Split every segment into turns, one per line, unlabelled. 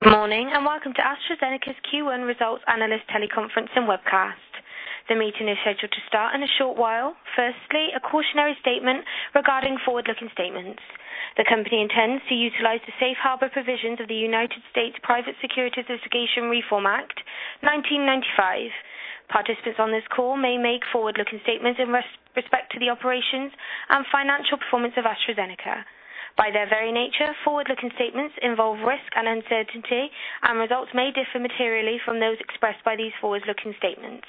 Good morning and welcome to AstraZeneca's Q1 Results Analyst Teleconference and Webcast. The meeting is scheduled to start in a short while. Firstly, a cautionary statement regarding forward-looking statements. The company intends to utilize the safe harbor provisions of the United States Private Securities Litigation Reform Act, 1995. Participants on this call may make forward-looking statements in respect to the operations and financial performance of AstraZeneca. By their very nature, forward-looking statements involve risk and uncertainty, and results may differ materially from those expressed by these forward-looking statements.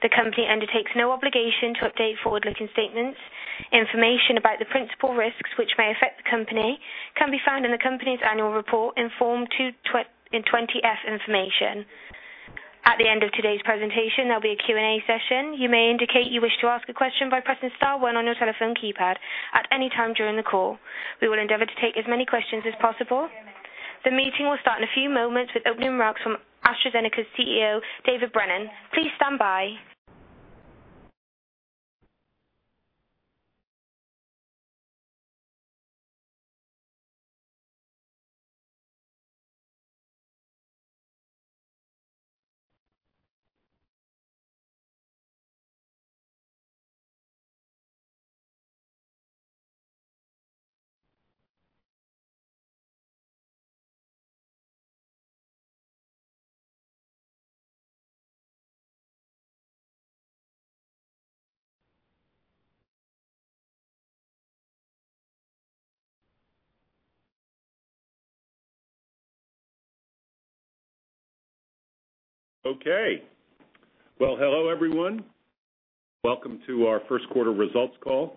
The company undertakes no obligation to update forward-looking statements. Information about the principal risks which may affect the company can be found in the company's annual report in Form 20-F information. At the end of today's presentation, there'll be a Q&A session. You may indicate you wish to ask a question by pressing star one on your telephone keypad at any time during the call. We will endeavor to take as many questions as possible. The meeting will start in a few moments with opening remarks from AstraZeneca's CEO, David Brennan. Please stand by.
Okay. Hello, everyone. Welcome to our first quarter results call.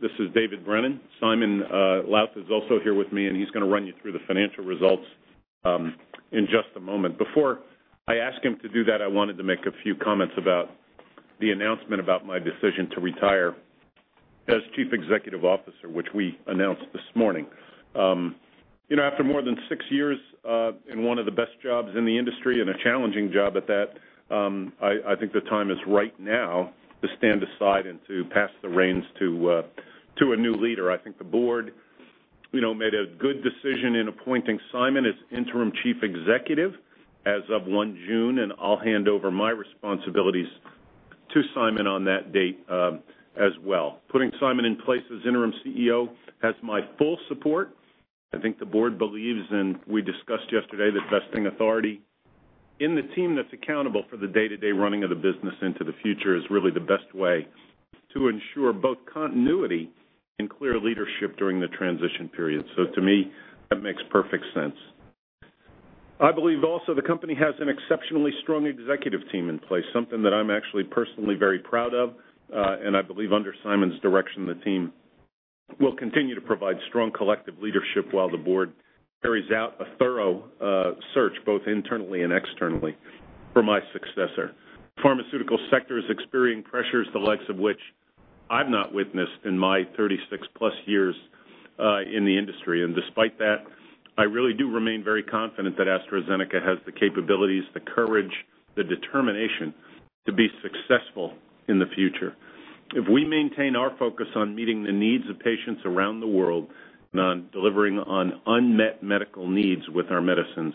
This is David Brennan. Simon Lowth is also here with me, and he's going to run you through the financial results in just a moment. Before I ask him to do that, I wanted to make a few comments about the announcement about my decision to retire as Chief Executive Officer, which we announced this morning. After more than six years in one of the best jobs in the industry and a challenging job at that, I think the time is right now to stand aside and to pass the reins to a new leader. I think the board made a good decision in appointing Simon as interim Chief Executive as of 1 June, and I'll hand over my responsibilities to Simon on that date as well. Putting Simon in place as interim CEO has my full support. I think the board believes, and we discussed yesterday, that vesting authority in the team that's accountable for the day-to-day running of the business into the future is really the best way to ensure both continuity and clear leadership during the transition period. To me, that makes perfect sense. I believe also the company has an exceptionally strong executive team in place, something that I'm actually personally very proud of, and I believe under Simon's direction, the team will continue to provide strong collective leadership while the board carries out a thorough search, both internally and externally, for my successor. The pharmaceutical sector is experiencing pressures, the likes of which I've not witnessed in my 36+ years in the industry. Despite that, I really do remain very confident that AstraZeneca has the capabilities, the courage, the determination to be successful in the future. If we maintain our focus on meeting the needs of patients around the world and on delivering on unmet medical needs with our medicines,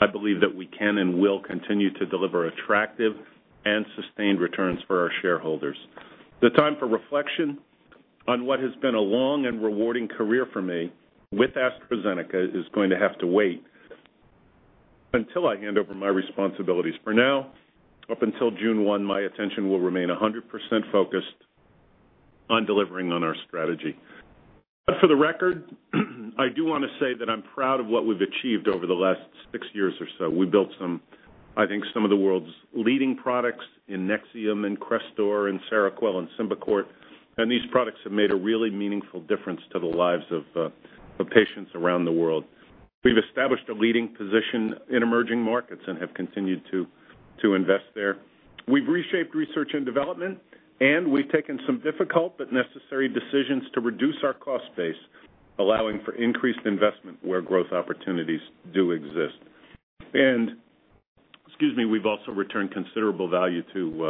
I believe that we can and will continue to deliver attractive and sustained returns for our shareholders. The time for reflection on what has been a long and rewarding career for me with AstraZeneca is going to have to wait until I hand over my responsibilities. For now, up until June 1, my attention will remain 100% focused on delivering on our strategy. For the record, I do want to say that I'm proud of what we've achieved over the last six years or so. We built some, I think, some of the world's leading products in Nexium and Crestor and Seroquel and Symbicort, and these products have made a really meaningful difference to the lives of patients around the world. We've established a leading position in emerging markets and have continued to invest there. We've reshaped research and development, and we've taken some difficult but necessary decisions to reduce our cost base, allowing for increased investment where growth opportunities do exist. We've also returned considerable value to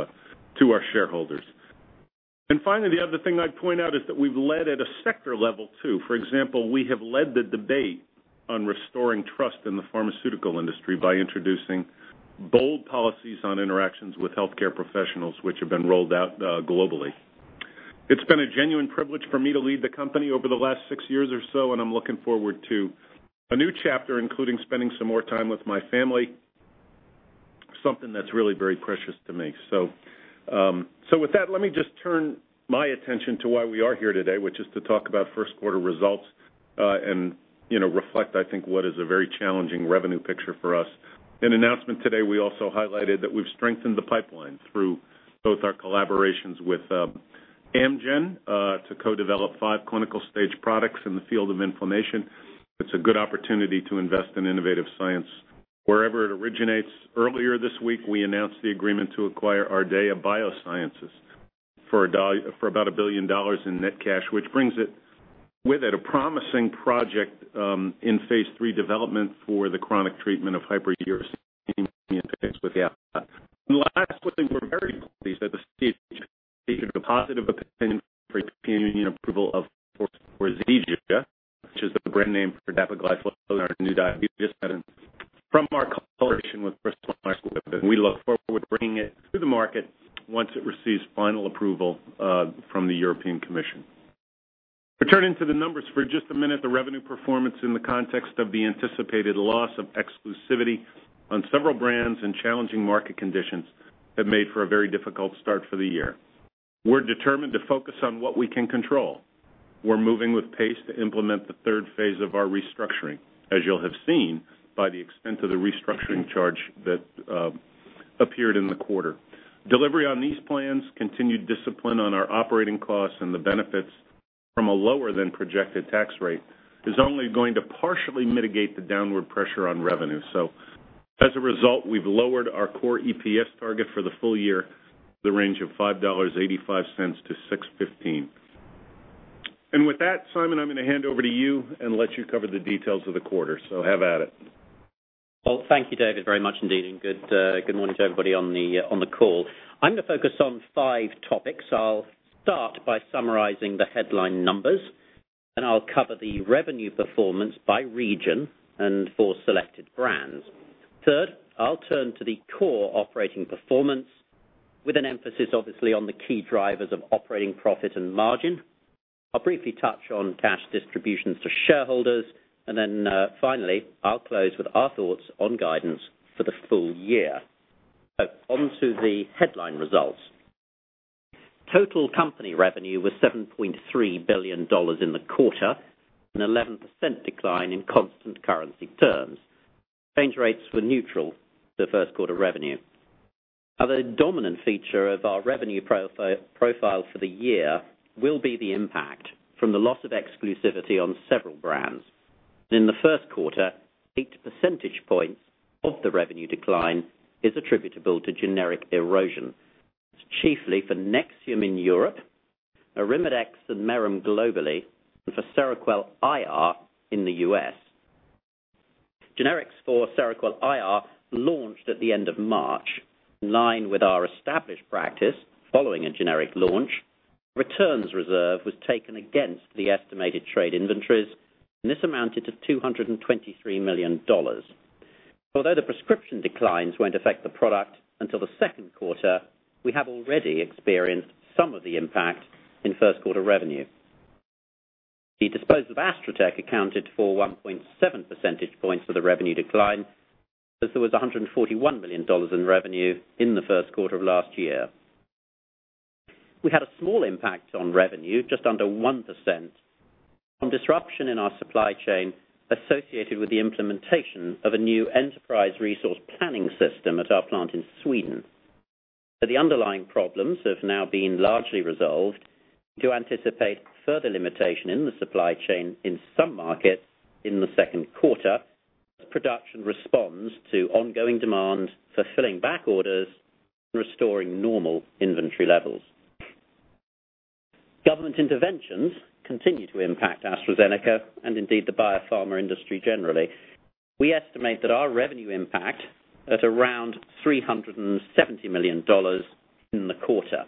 our shareholders. Finally, the other thing I'd point out is that we've led at a sector level too. For example, we have led the debate on restoring trust in the pharmaceutical industry by introducing bold policies on interactions with healthcare professionals, which have been rolled out globally. It's been a genuine privilege for me to lead the company over the last six years or so, and I'm looking forward to a new chapter, including spending some more time with my family, something that's really very precious to me. With that, let me just turn my attention to why we are here today, which is to talk about first quarter results, and, you know, reflect, I think, what is a very challenging revenue picture for us. In the announcement today, we also highlighted that we've strengthened the pipeline through both our collaborations with Amgen, to co-develop five clinical-stage products in the field of inflammation. It's a good opportunity to invest in innovative science wherever it originates. Earlier this week, we announced the agreement to acquire Ardea Biosciences for about $1 billion in net cash, which brings with it a promising project in phase III development for the chronic treatment of hyperuricemia patients with gout. Lastly, we're very pleased at the stage of a positive opinion approval of Forxiga, which is a brand name for dapagliflozin in our new diabetes medicine. From our cooperation with Bristol-Myers Squibb, we look forward to bringing it to the market once it receives final approval from the European Commission. Returning to the numbers for just a minute, the revenue performance in the context of the anticipated loss of exclusivity on several brands and challenging market conditions have made for a very difficult start for the year. We're determined to focus on what we can control. We're moving with pace to implement the third phase of our restructuring, as you'll have seen by the extent of the restructuring charge that appeared in the quarter. Delivery on these plans, continued discipline on our operating costs, and the benefits from a lower than projected tax rate is only going to partially mitigate the downward pressure on revenue. As a result, we've lowered our core EPS target for the full year to the range of $5.85-$6.15. With that, Simon, I'm going to hand over to you and let you cover the details of the quarter. Have at it.
Thank you, David, very much indeed. Good morning to everybody on the call. I'm going to focus on five topics. I'll start by summarizing the headline numbers, and I'll cover the revenue performance by region and for selected brands. Third, I'll turn to the core operating performance with an emphasis, obviously, on the key drivers of operating profit and margin. I'll briefly touch on cash distributions to shareholders. Finally, I'll close with our thoughts on guidance for the full year. Onto the headline results. Total company revenue was $7.3 billion in the quarter, an 11% decline in constant currency terms. Exchange rates were neutral for the first quarter revenue. Another dominant feature of our revenue profile for the year will be the impact from the loss of exclusivity on several brands. In the first quarter, eight percentage points of the revenue decline is attributable to generic erosion, chiefly for Nexium in Europe, Arimidex and Merrem globally, and for Seroquel IR in the U.S. Generics for Seroquel IR launched at the end of March, in line with our established practice following a generic launch. A returns reserve was taken against the estimated trade inventories, and this amounted to $223 million. Although the prescription declines won't affect the product until the second quarter, we have already experienced some of the impact in first quarter revenue. The disposal of Astra Tech accounted for 1.7 percentage points of the revenue decline, as there was $141 million in revenue in the first quarter of last year. We had a small impact on revenue, just under 1%, from disruption in our supply chain associated with the implementation of a new enterprise resource planning system at our plant in Sweden. The underlying problems have now been largely resolved. We do anticipate further limitation in the supply chain in some markets in the second quarter as production responds to ongoing demand for filling back orders and restoring normal inventory levels. Government interventions continue to impact AstraZeneca and indeed the biopharma industry generally. We estimate that our revenue impact at around $370 million in the quarter.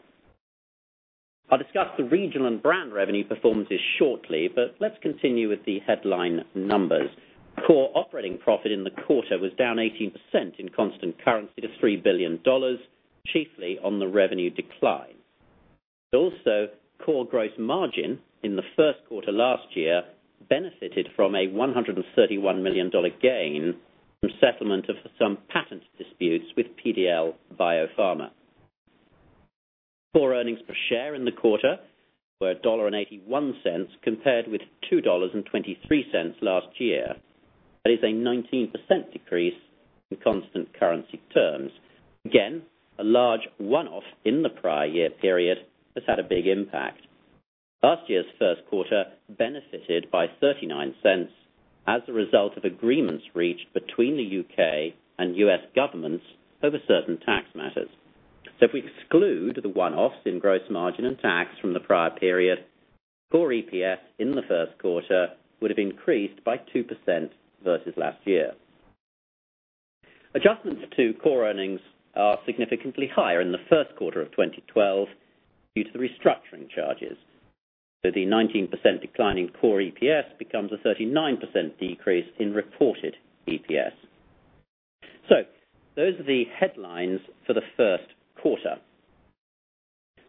I'll discuss the regional and brand revenue performances shortly, but let's continue with the headline numbers. Core operating profit in the quarter was down 18% in constant currency to $3 billion, chiefly on the revenue decline. Also, core gross margin in the first quarter last year benefited from a $131 million gain from settlement of some patent disputes with PDL BioPharma. Core earnings per share in the quarter were $1.81 compared with $2.23 last year. That is a 19% decrease in constant currency terms. Again, a large one-off in the prior year period has had a big impact. Last year's first quarter benefited by $0.39 as a result of agreements reached between the U.K. and U.S. governments over certain tax matters. If we exclude the one-offs in gross margin and tax from the prior period, core EPS in the first quarter would have increased by 2% versus last year. Adjustments to core earnings are significantly higher in the first quarter of 2012 due to the restructuring charges. The 19% decline in core EPS becomes a 39% decrease in reported EPS. Those are the headlines for the first quarter.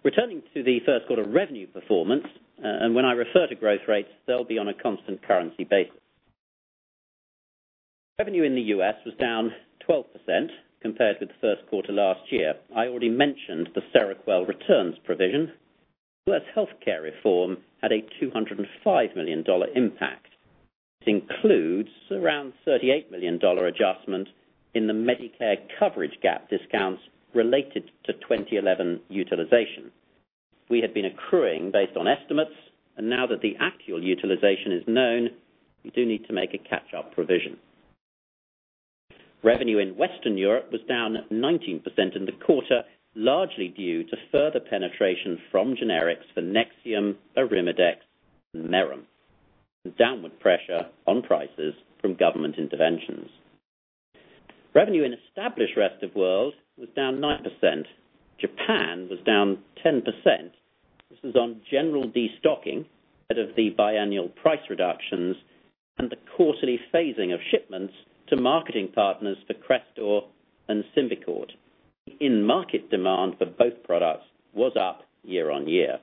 Returning to the first quarter revenue performance, and when I refer to growth rates, they'll be on a constant currency basis. Revenue in the U.S. was down 12% compared with the first quarter last year. I already mentioned the Seroquel returns provision. U.S. healthcare reform had a $205 million impact. It includes around a $38 million adjustment in the Medicare coverage gap discounts related to 2011 utilization. We had been accruing based on estimates, and now that the actual utilization is known, we do need to make a catch-up provision. Revenue in Western Europe was down 19% in the quarter, largely due to further penetration from generics for Nexium, Arimidex, and Merrem. There was downward pressure on prices from government interventions. Revenue in established rest of the world was down 9%. Japan was down 10%. This was on general destocking ahead of the biannual price reductions and the quarterly phasing of shipments to marketing partners for Crestor and Symbicort. The in-market demand for both products was up year on year.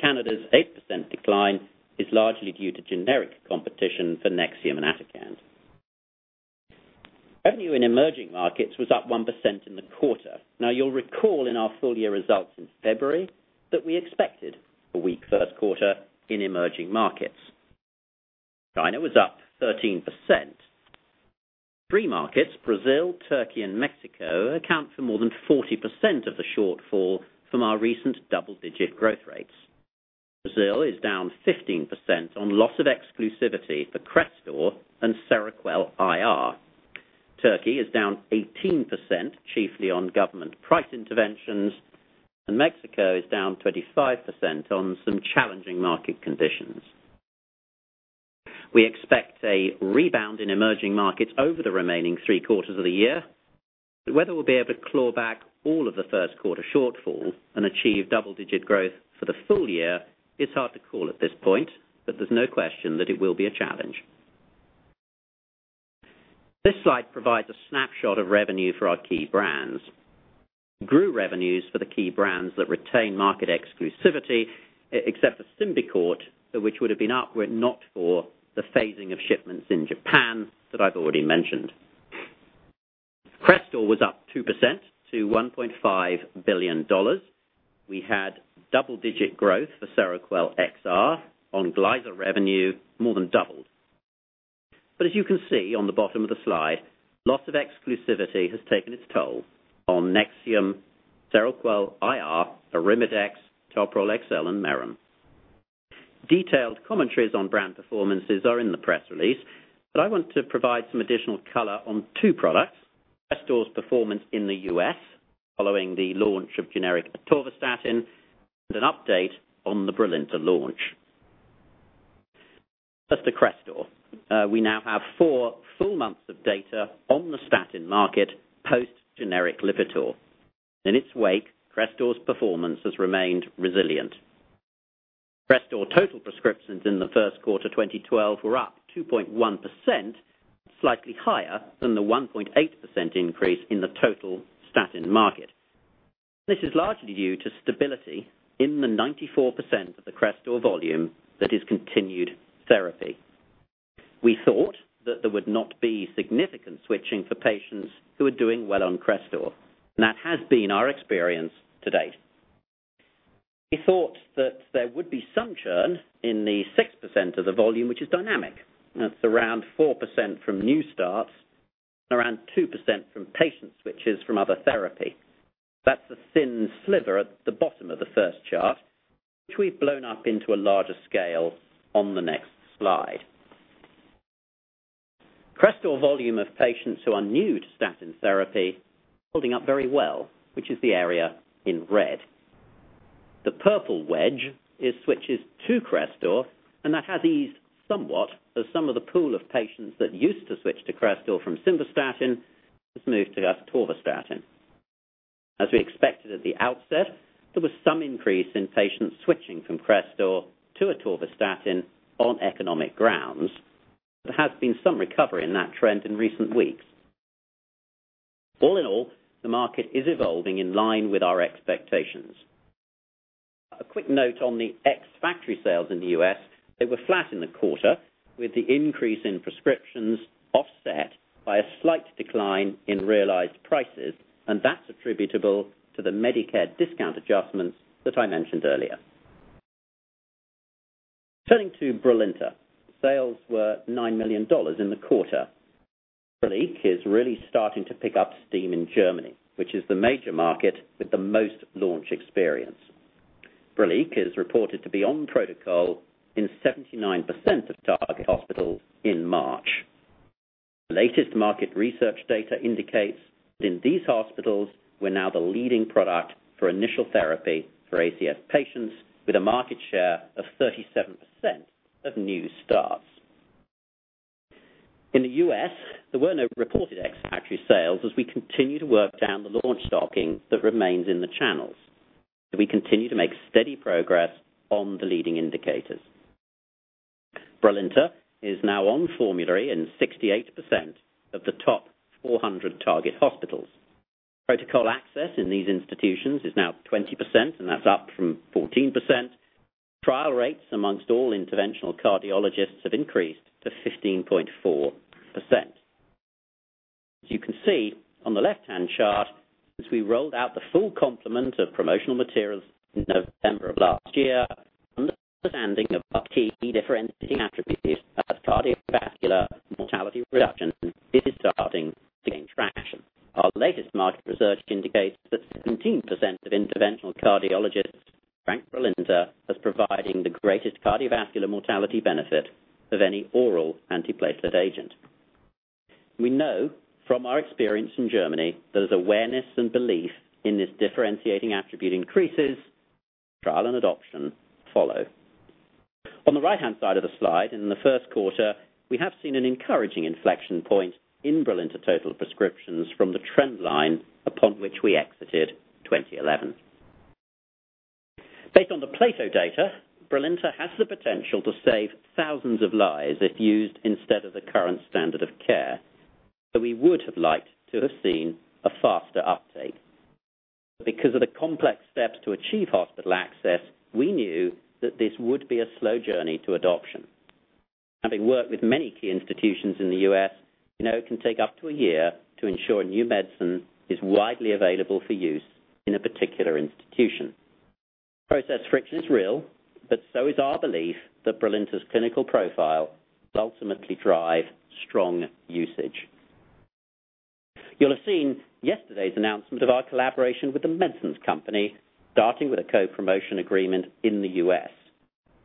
Canada's 8% decline is largely due to generic competition for Nexium and Atacand. Revenue in emerging markets was up 1% in the quarter. You'll recall in our full-year results in February that we expected a weak first quarter in emerging markets. China was up 13%. Three markets, Brazil, Turkey, and Mexico, account for more than 40% of the shortfall from our recent double-digit growth rates. Brazil is down 15% on loss of exclusivity for Crestor and Seroquel IR. Turkey is down 18%, chiefly on government price interventions, and Mexico is down 25% on some challenging market conditions. We expect a rebound in emerging markets over the remaining three quarters of the year. Whether we'll be able to claw back all of the first quarter shortfall and achieve double-digit growth for the full year is hard to call at this point, but there's no question that it will be a challenge. This slide provides a snapshot of revenue for our key brands. Grew revenues for the key brands that retain market exclusivity, except for Symbicort, which would have been up were it not for the phasing of shipments in Japan that I've already mentioned. Crestor was up 2% to $1.5 billion. We had double-digit growth for Seroquel XR and Onglyza revenue more than doubled. As you can see on the bottom of the slide, loss of exclusivity has taken its toll on Nexium, Seroquel IR, Arimidex, Toprol-XL, and Merrem. Detailed commentaries on brand performances are in the press release, but I want to provide some additional color on two products: Crestor's performance in the U.S. following the launch of generic atorvastatin, and an update on the Brilinta launch. As to Crestor, we now have four full months of data on the statin market post-generic Lipitor. In its wake, Crestor's performance has remained resilient. Crestor total prescriptions in the first quarter 2012 were up 2.1%, slightly higher than the 1.8% increase in the total statin market. This is largely due to stability in the 94% of the Crestor volume that is continued therapy. We thought that there would not be significant switching for patients who are doing well on Crestor. That has been our experience to date. We thought that there would be some churn in the 6% of the volume, which is dynamic. That's around 4% from new starts and around 2% from patient switches from other therapy. That's the thin sliver at the bottom of the first chart, which we've blown up into a larger scale on the next slide. Crestor volume of patients who are new to statin therapy is holding up very well, which is the area in red. The purple wedge is switches to Crestor, and that has eased somewhat as some of the pool of patients that used to switch to Crestor from simvastatin has moved to atorvastatin. As we expected at the outset, there was some increase in patients switching from Crestor to atorvastatin on economic grounds. There has been some recovery in that trend in recent weeks. All in all, the market is evolving in line with our expectations. A quick note on the ex-factory sales in the U.S.: they were flat in the quarter, with the increase in prescriptions offset by a slight decline in realized prices, and that's attributable to the Medicare discount adjustments that I mentioned earlier. Turning to Brilinta, sales were $9 million in the quarter. Brilinta is really starting to pick up steam in Germany, which is the major market with the most launch experience. Brilinta is reported to be on protocol in 79% of target hospitals in March. Latest market research data indicates that in these hospitals, we're now the leading product for initial therapy for ACS patients, with a market share of 37% of new starts. In the U.S., there were no reported ex-factory sales as we continue to work down the launch stocking that remains in the channels. We continue to make steady progress on the leading indicators. Brilinta is now on formulary in 68% of the top 400 target hospitals. Protocol access in these institutions is now 20%, and that's up from 14%. Trial rates amongst all interventional cardiologists have increased to 15.4%. As you can see on the left-hand chart, as we rolled out the full complement of promotional materials in November of last year, understanding of uptake, differentiating attributes, and cardiovascular mortality reduction is starting to gain traction. Our latest market research indicates that 17% of interventional cardiologists rank Brilinta as providing the greatest cardiovascular mortality benefit of any oral antiplatelet agent. We know from our experience in Germany that as awareness and belief in this differentiating attribute increases, trial and adoption follow. On the right-hand side of the slide, in the first quarter, we have seen an encouraging inflection point in Brilinta total prescriptions from the trend line upon which we exited 2011. Based on the PLATO data, Brilinta has the potential to save thousands of lives if used instead of the current standard of care, but we would have liked to have seen a faster uptake. Because of the complex steps to achieve hospital access, we knew that this would be a slow journey to adoption. Having worked with many key institutions in the U.S., we know it can take up to a year to ensure new medicine is widely available for use in a particular institution. Process friction is real, but so is our belief that Brilinta's clinical profile will ultimately drive strong usage. You'll have seen yesterday's announcement of our collaboration with The Medicines Company, starting with a co-promotion agreement in the U.S.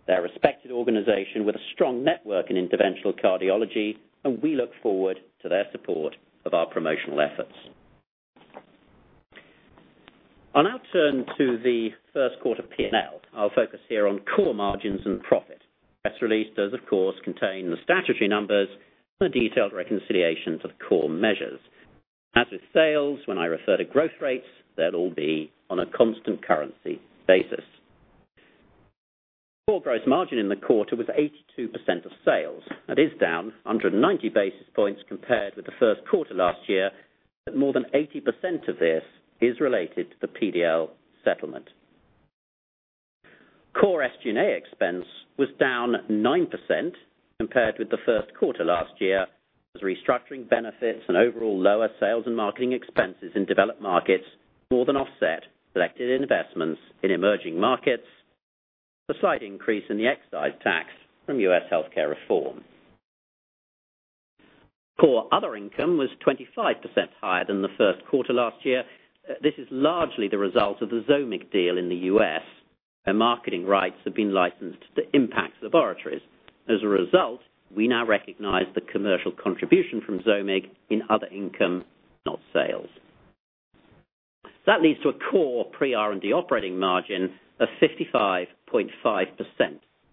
They're a respected organization with a strong network in interventional cardiology, and we look forward to their support of our promotional efforts. On our turn to the first quarter P&L, I'll focus here on core margins and profit. Press releases, of course, contain the strategy numbers and a detailed reconciliation to the core measures. As with sales, when I refer to growth rates, they'll all be on a constant currency basis. Core gross margin in the quarter was 82% of sales. That is down under 90 basis points compared with the first quarter last year, but more than 80% of this is related to the PDL settlement. Core SG&A expense was down 9% compared with the first quarter last year, as restructuring benefits and overall lower sales and marketing expenses in developed markets more than offset selected investments in emerging markets. A slight increase in the excise tax from U.S. healthcare reform. Core other income was 25% higher than the first quarter last year. This is largely the result of the Zomig deal in the U.S., where marketing rights have been licensed to Impact Laboratories. As a result, we now recognize the commercial contribution from Zomig in other income, not sales. That leads to a core pre-R&D operating margin of 55.5%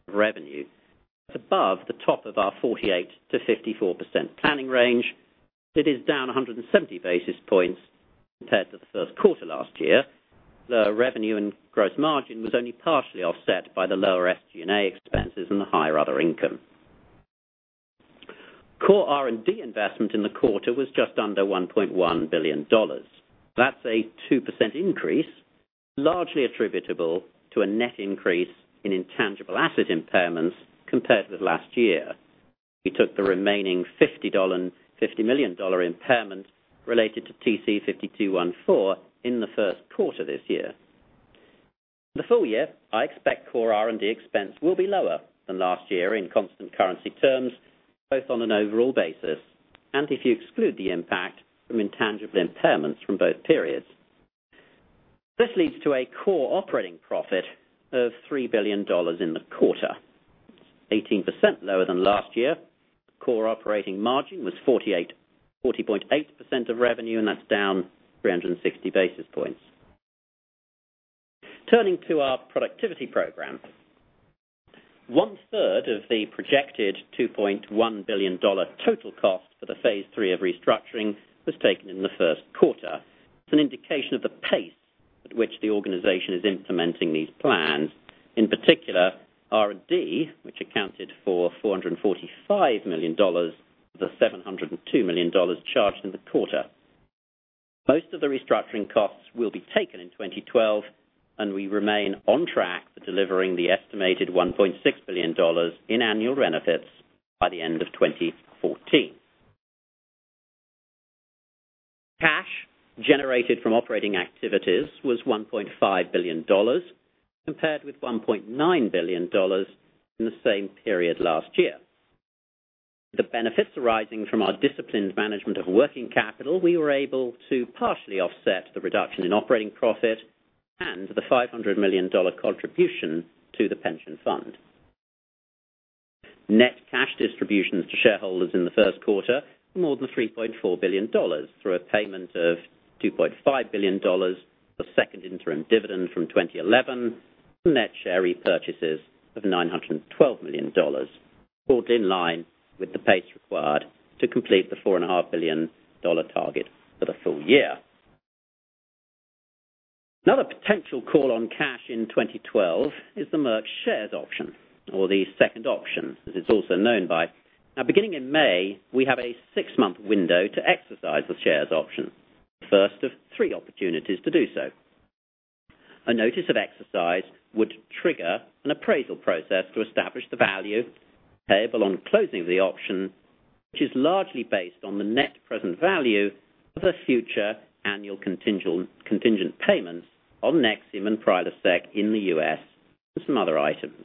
of revenue. It's above the top of our 48%-54% planning range. It is down 170 basis points compared to the first quarter last year. The revenue and gross margin was only partially offset by the lower SG&A expenses and the higher other income. Core R&D investment in the quarter was just under $1.1 billion. That's a 2% increase, largely attributable to a net increase in intangible asset impairments compared with last year. We took the remaining $50 million impairment related to TC-5214. In the first quarter this year, the full year, I expect core R&D expense will be lower than last year in constant currency terms, both on an overall basis and if you exclude the impact from intangible impairments from both periods. This leads to a core operating profit of $3 billion in the quarter, 18% lower than last year. Core operating margin was 48.8% of revenue, and that's down 360 basis points. Turning to our productivity program, 1/3 of the projected $2.1 billion total cost for the phase III of restructuring was taken in the first quarter. It's an indication of the pace at which the organization is implementing these plans. In particular, R&D, which accounted for $445 million of the $702 million charged in the quarter. Most of the restructuring costs will be taken in 2012, and we remain on track for delivering the estimated $1.6 billion in annual benefits by the end of 2014. Cash generated from operating activities was $1.5 billion compared with $1.9 billion in the same period last year. With the benefits arising from our disciplined management of working capital, we were able to partially offset the reduction in operating profit and the $500 million contribution to the pension fund. Net cash distributions to shareholders in the first quarter were more than $3.4 billion through a payment of $2.5 billion of second interim dividends from 2011 and net share repurchases of $912 million, all in line with the pace required to complete the $4.5 billion target for the full year. Another potential call on cash in 2012 is the merged shares option, or the second option, as it's also known by. Now, beginning in May, we have a six-month window to exercise the shares option, the first of three opportunities to do so. A notice of exercise would trigger an appraisal process to establish the value payable on closing of the option, which is largely based on the net present value of the future annual contingent payments on Nexium and Prilosec in the U.S. and some other items.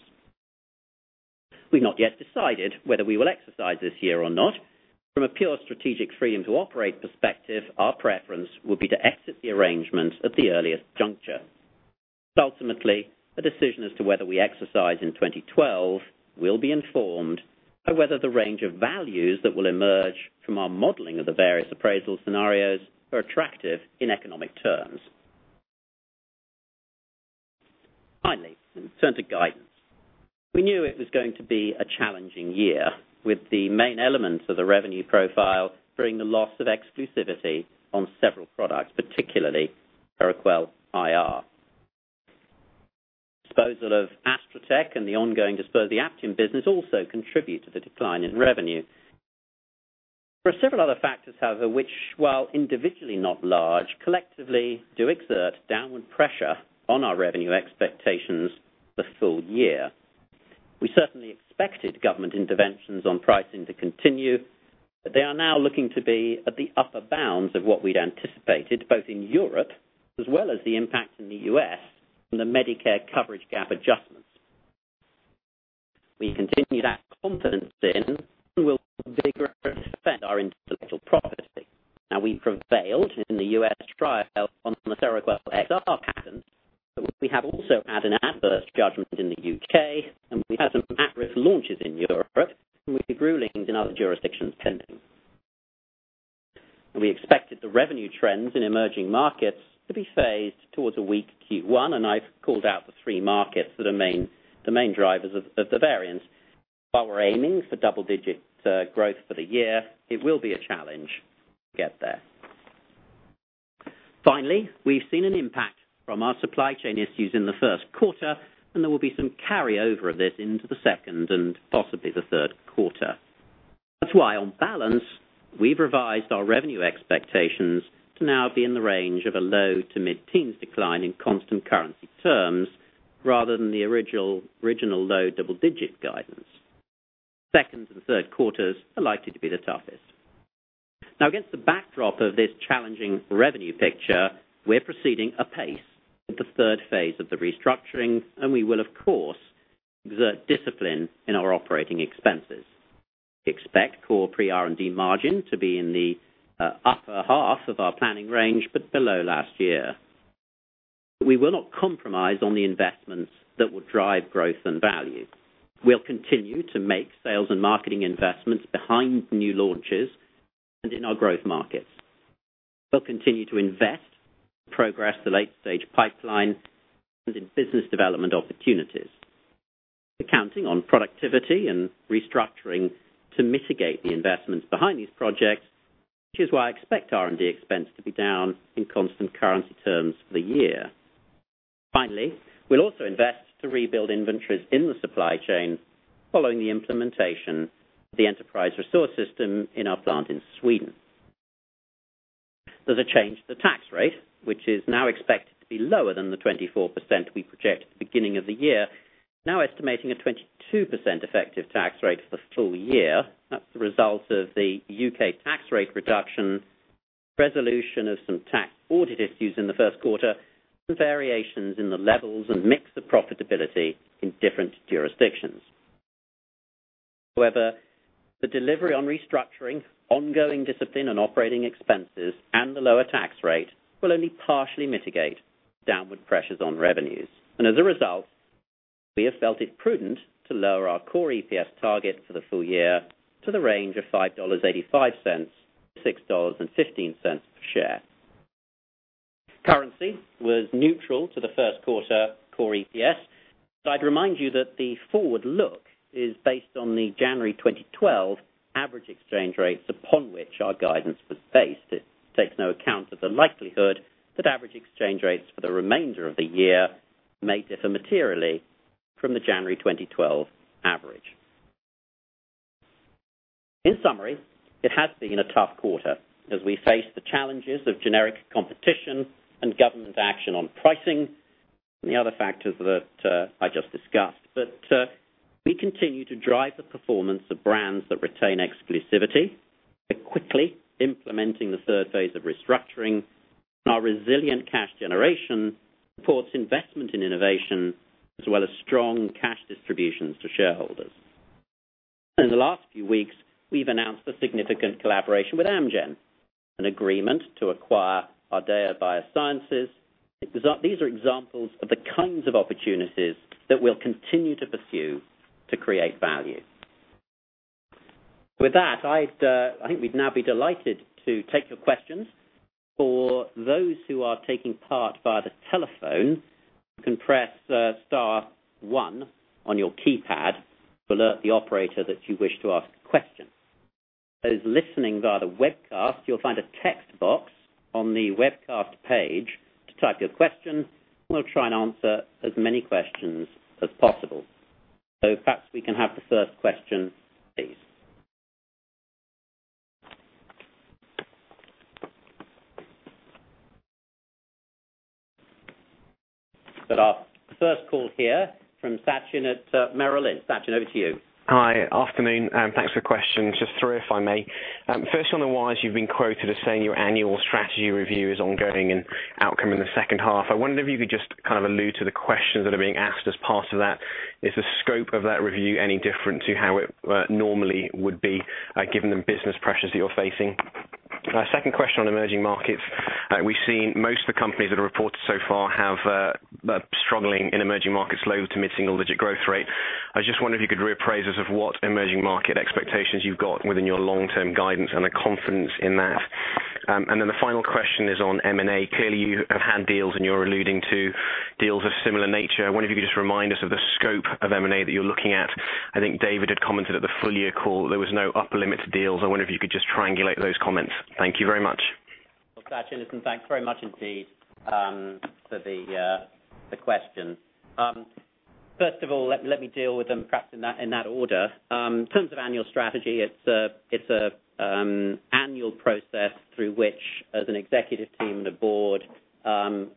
We've not yet decided whether we will exercise this year or not. From a pure strategic freedom to operate perspective, our preference would be to exit the arrangement at the earliest juncture. Ultimately, a decision as to whether we exercise in 2012 will be informed by whether the range of values that will emerge from our modeling of the various appraisal scenarios are attractive in economic terms. Finally, let's turn to guidance. We knew it was going to be a challenging year with the main elements of the revenue profile being the loss of exclusivity on several products, particularly Seroquel IR. Disposal of Astra Tech and the ongoing disposal of the Aptium business also contribute to the decline in revenue. There are several other factors, however, which, while individually not large, collectively do exert downward pressure on our revenue expectations for the full year. We certainly expected government interventions on pricing to continue, but they are now looking to be at the upper bounds of what we'd anticipated, both in Europe as well as the impact in the U.S. from the Medicare coverage gap adjustments. We continue to have confidence in and will vigorously defend our intellectual property. Now, we prevailed in the U.S. trial on the Seroquel XR patent, but we have also had an adverse judgment in the U.K., and we had some mattress launches in Europe, and we have rulings in other jurisdictions pending. We expected the revenue trends in emerging markets to be phased towards a weak Q1, and I've called out the three markets that are the main drivers of the variance. While we're aiming for double-digit growth for the year, it will be a challenge to get there. Finally, we've seen an impact from our supply chain issues in the first quarter, and there will be some carryover of this into the second and possibly the third quarter. That's why, on balance, we've revised our revenue expectations to now be in the range of a low to mid-teens decline in constant currency terms rather than the original low double-digit guidance. Second and third quarters are likely to be the toughest. Now, against the backdrop of this challenging revenue picture, we're proceeding at pace with the third phase of the restructuring, and we will, of course, exert discipline in our operating expenses. We expect core pre-R&D margin to be in the upper half of our planning range, but below last year. We will not compromise on the investments that will drive growth and value. We'll continue to make sales and marketing investments behind new launches and in our growth markets. We'll continue to invest, progress the late-stage pipeline, and in business development opportunities, counting on productivity and restructuring to mitigate the investments behind these projects, which is why I expect R&D expense to be down in constant currency terms for the year. Finally, we'll also invest to rebuild inventories in the supply chain following the implementation of the enterprise resource system in our plant in Sweden. There's a change to the tax rate, which is now expected to be lower than the 24% we projected at the beginning of the year, now estimating a 22% effective tax rate for the full year. That's the result of the U.K. tax rate reduction, the resolution of some tax audit issues in the first quarter, and variations in the levels and mix of profitability in different jurisdictions. However, the delivery on restructuring, ongoing discipline on operating expenses, and the lower tax rate will only partially mitigate downward pressures on revenues. As a result, we have felt it prudent to lower our core EPS target for the full year to the range of $5.85-$6.15 per share. Currency was neutral to the first quarter core EPS, but I'd remind you that the forward look is based on the January 2012 average exchange rates upon which our guidance was based. It takes no account of the likelihood that average exchange rates for the remainder of the year may differ materially from the January 2012 average. In summary, it has been a tough quarter as we face the challenges of generic competition and government action on pricing and the other factors that I just discussed. We continue to drive the performance of brands that retain exclusivity, quickly implementing the third phase of restructuring. Our resilient cash generation supports investment in innovation as well as strong cash distributions to shareholders. In the last few weeks, we've announced a significant collaboration with Amgen, an agreement to acquire Ardea Biosciences. These are examples of the kinds of opportunities that we'll continue to pursue to create value. With that, I think we'd now be delighted to take your questions. For those who are taking part via the telephone, you can press star one on your keypad to alert the operator that you wish to ask a question. Those listening via the webcast, you'll find a text box on the webcast page to type your question. We'll try and answer as many questions as possible. If that's the case, we can have the first question, please. We'll have the first call here from Sachin at Merrill Lynch. Sachin, over to you. Hi, afternoon, and thanks for your question. Just three if I may. First on the whys, you've been quoted as saying your annual strategy review is ongoing and outcome in the second half. I wonder if you could just kind of allude to the questions that are being asked as part of that. Is the scope of that review any different to how it normally would be given the business pressures that you're facing? Second question on emerging markets. We've seen most of the companies that are reported so far have struggling in emerging markets low to mid-single-digit growth rate. I just wonder if you could reappraise us of what emerging market expectations you've got within your long-term guidance and a confidence in that. The final question is on M&A. Clearly, you have hand deals and you're alluding to deals of similar nature. I wonder if you could just remind us of the scope of M&A that you're looking at. I think David had commented at the full-year call that there were no upper limit deals. I wonder if you could just triangulate those comments. Thank you very much. Sachin, thanks very much indeed for the question. First of all, let me deal with them perhaps in that order. In terms of annual strategy, it's an annual process through which, as an executive team and a board,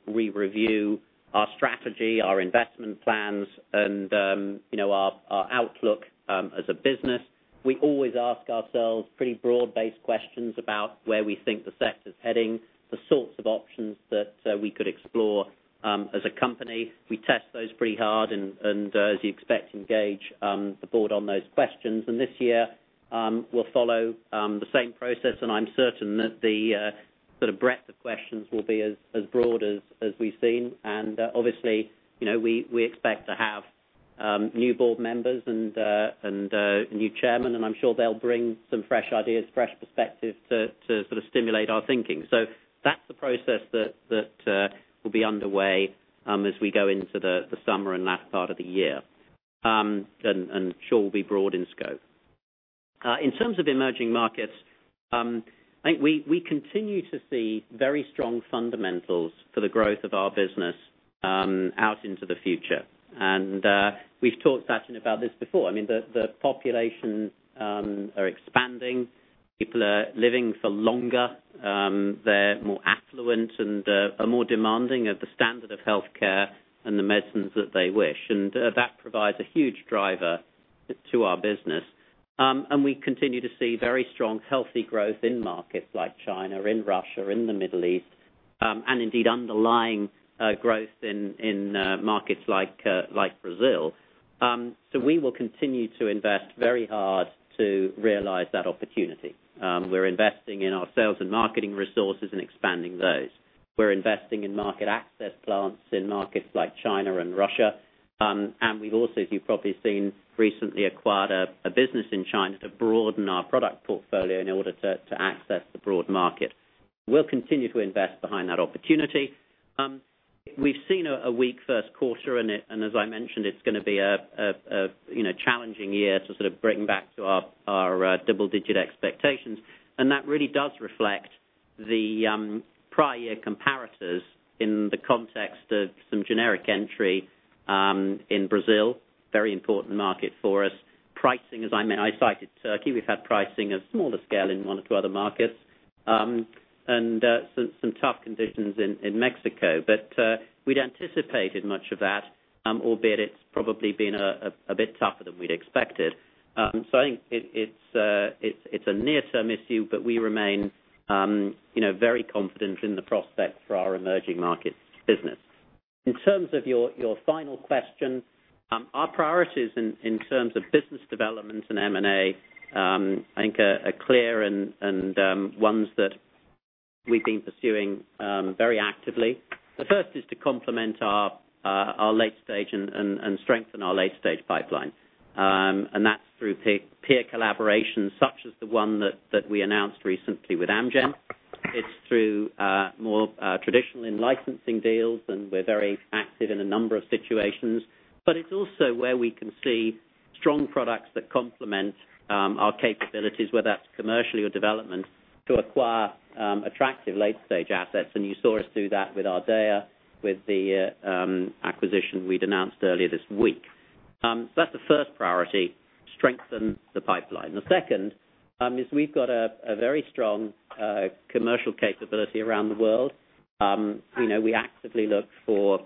we review our strategy, our investment plans, and our outlook as a business. We always ask ourselves pretty broad-based questions about where we think the sector's heading, the sorts of options that we could explore as a company. We test those pretty hard and, as you expect, engage the board on those questions. This year, we'll follow the same process, and I'm certain that the sort of breadth of questions will be as broad as we've seen. Obviously, you know we expect to have new board members and a new chairman, and I'm sure they'll bring some fresh ideas, fresh perspectives to sort of stimulate our thinking. That's the process that will be underway as we go into the summer and last part of the year, and sure, we'll be broad in scope. In terms of emerging markets, I think we continue to see very strong fundamentals for the growth of our business out into the future. We've talked, Sachin, about this before. The populations are expanding. People are living for longer. They're more affluent and are more demanding of the standard of healthcare and the medicines that they wish. That provides a huge driver to our business. We continue to see very strong healthy growth in markets like China or in Russia or in the Middle East, and indeed underlying growth in markets like Brazil. We will continue to invest very hard to realize that opportunity. We're investing in our sales and marketing resources and expanding those. We're investing in market access plans in markets like China and Russia. We've also, as you've probably seen, recently acquired a business in China to broaden our product portfolio in order to access the broad market. We'll continue to invest behind that opportunity. We've seen a weak first quarter, and as I mentioned, it's going to be a challenging year to sort of bring back to our double-digit expectations. That really does reflect the prior year comparators in the context of some generic entry in Brazil, a very important market for us. Pricing, as I cited Turkey, we've had pricing of smaller scale in one or two other markets and some tough conditions in Mexico. We'd anticipated much of that, albeit it's probably been a bit tougher than we'd expected. I think it's a near-term issue, but we remain very confident in the prospect for our emerging markets business. In terms of your final question, our priorities in terms of business development and M&A, I think, are clear and ones that we've been pursuing very actively. The first is to complement our late stage and strengthen our late stage pipeline. That's through peer collaborations such as the one that we announced recently with Amgen. It's through more traditional licensing deals, and we're very active in a number of situations. It's also where we can see strong products that complement our capabilities, whether that's commercially or development, to acquire attractive late stage assets. You saw us do that with Ardea with the acquisition we'd announced earlier this week. That's the first priority: strengthen the pipeline. The second is we've got a very strong commercial capability around the world. We actively look for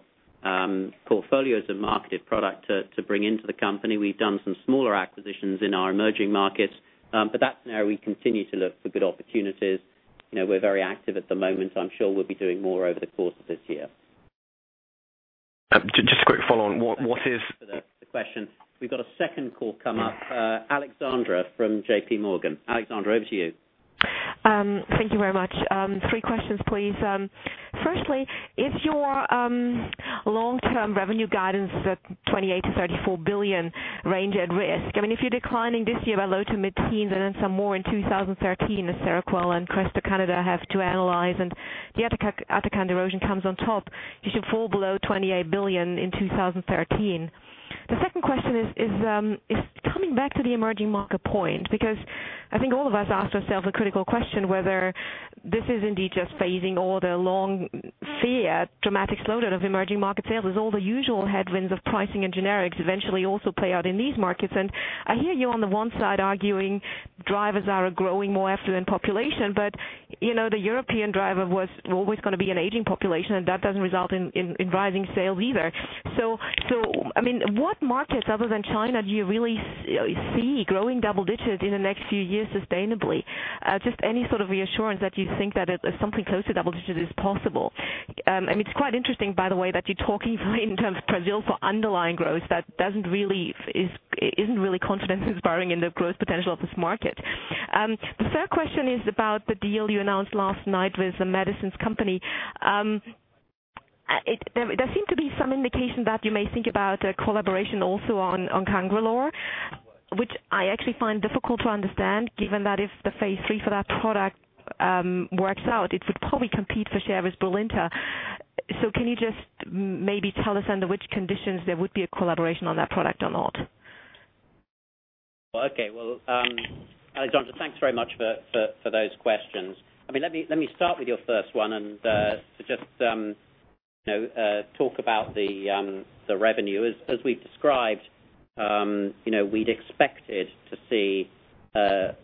portfolios of marketed product to bring into the company. We've done some smaller acquisitions in our emerging markets, but that's an area we continue to look for good opportunities. We're very active at the moment. I'm sure we'll be doing more over the course of this year. Just a quick follow-on. For the question, we've got a second call come up, Alexandra from JPMorgan. Alexandra, over to you.
Thank you very much. Three questions, please. Firstly, is your long-term revenue guidance, the $28 billion-$34 billion range, at risk? I mean, if you're declining this year by low to mid-teens and then some more in 2013, as Seroquel and Crestor Canada have to analyze, and the Atacand erosion comes on top, you should fall below $28 billion in 2013. The second question is coming back to the emerging market point because I think all of us asked ourselves a critical question whether this is indeed just phasing or the long fear, dramatic slowdown of emerging market sales. Is all the usual headwinds of pricing and generics eventually also play out in these markets? I hear you on the one side arguing drivers are a growing more affluent population, but you know the European driver was always going to be an aging population, and that doesn't result in rising sales either. I mean, what markets other than China do you really see growing double-digits in the next few years sustainably? Just any sort of reassurance that you think that something close to double-digits is possible. It's quite interesting, by the way, that you're talking in terms of Brazil for underlying growth. That isn't really confidence-inspiring in the growth potential of this market. The third question is about the deal you announced last night with The Medicines Company. There seemed to be some indication that you may think about a collaboration also on Cangrelor, which I actually find difficult to understand, given that if the phase III for that product works out, it would probably compete for shares with Brilinta. Can you just maybe tell us under which conditions there would be a collaboration on that product or not?
Okay. Alexandra, thanks very much for those questions. Let me start with your first one and just talk about the revenue. As we've described, we'd expected to see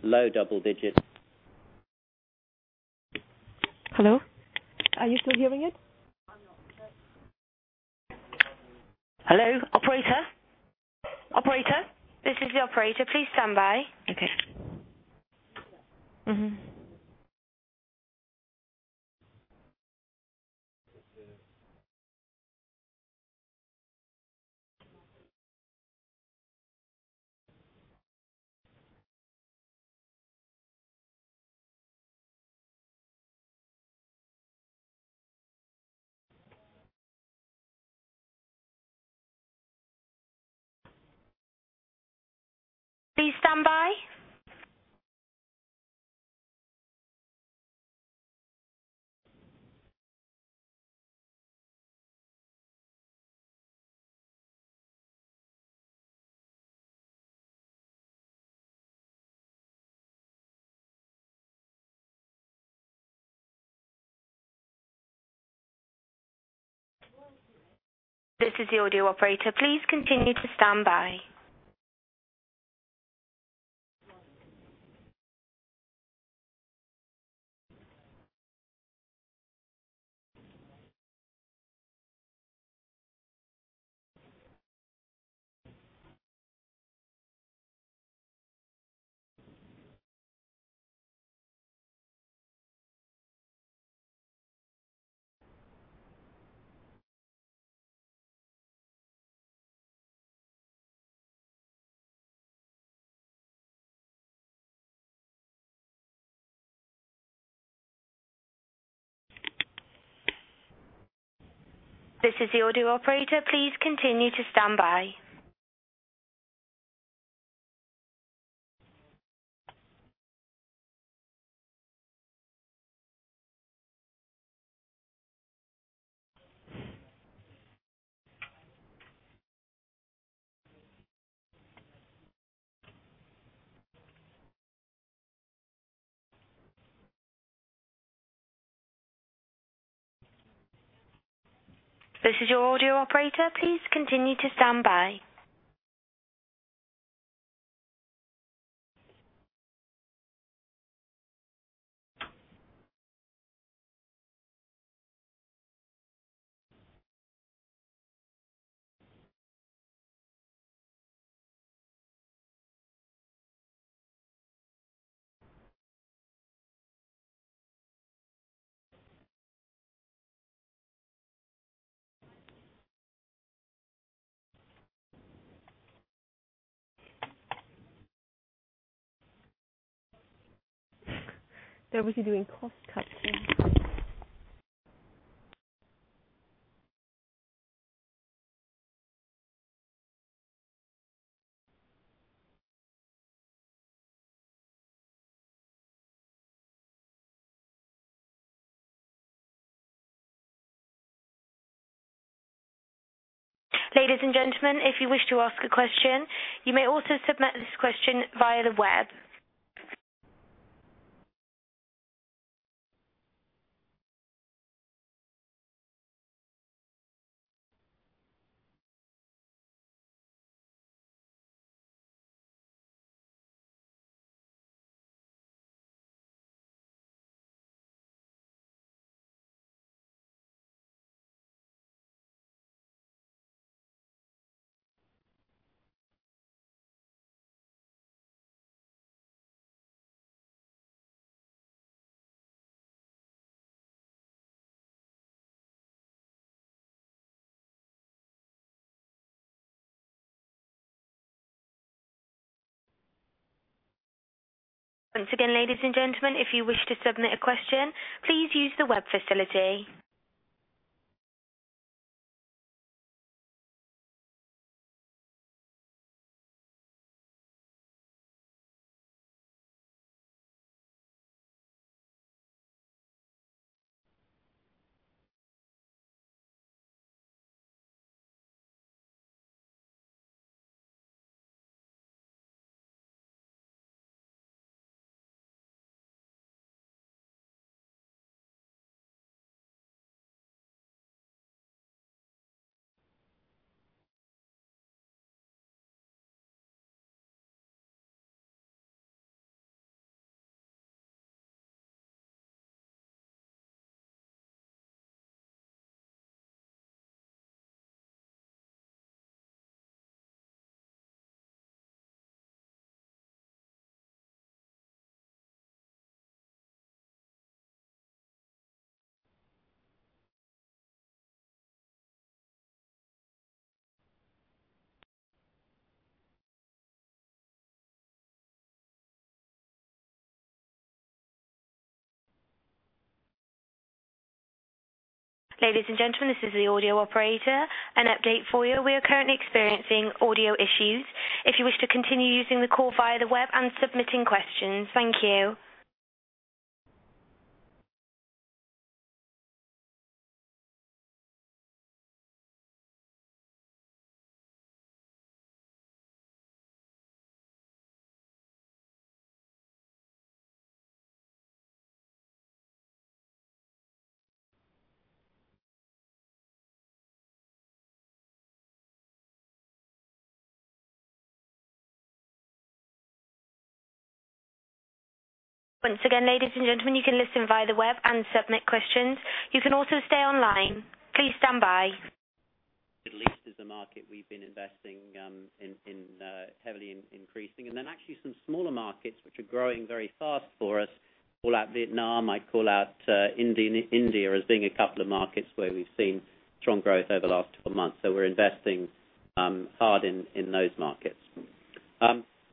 low double-digit.
Hello, are you still hearing it?
Hello? Operator? This is the operator. Please stand by.
Okay.
Please stand by. This is the audio operator. Please continue to stand by. This is the audio operator. Please continue to stand by. This is your audio operator. Please continue to stand by. Ladies and gentlemen, if you wish to ask a question, you may also submit this question via the web. Once again, ladies and gentlemen, if you wish to submit a question, please use the web facility. Ladies and gentlemen, this is the audio operator. An update for you. We are currently experiencing audio issues. If you wish to continue using the call via the web and submitting questions, thank you. Once again, ladies and gentlemen, you can listen via the web and submit questions. You can also stay online. Please stand by.
The Middle East is a market we've been investing in heavily, increasing, and then actually some smaller markets which are growing very fast for us. I call out Vietnam. I call out India as being a couple of markets where we've seen strong growth over the last 12 months. We're investing hard in those markets.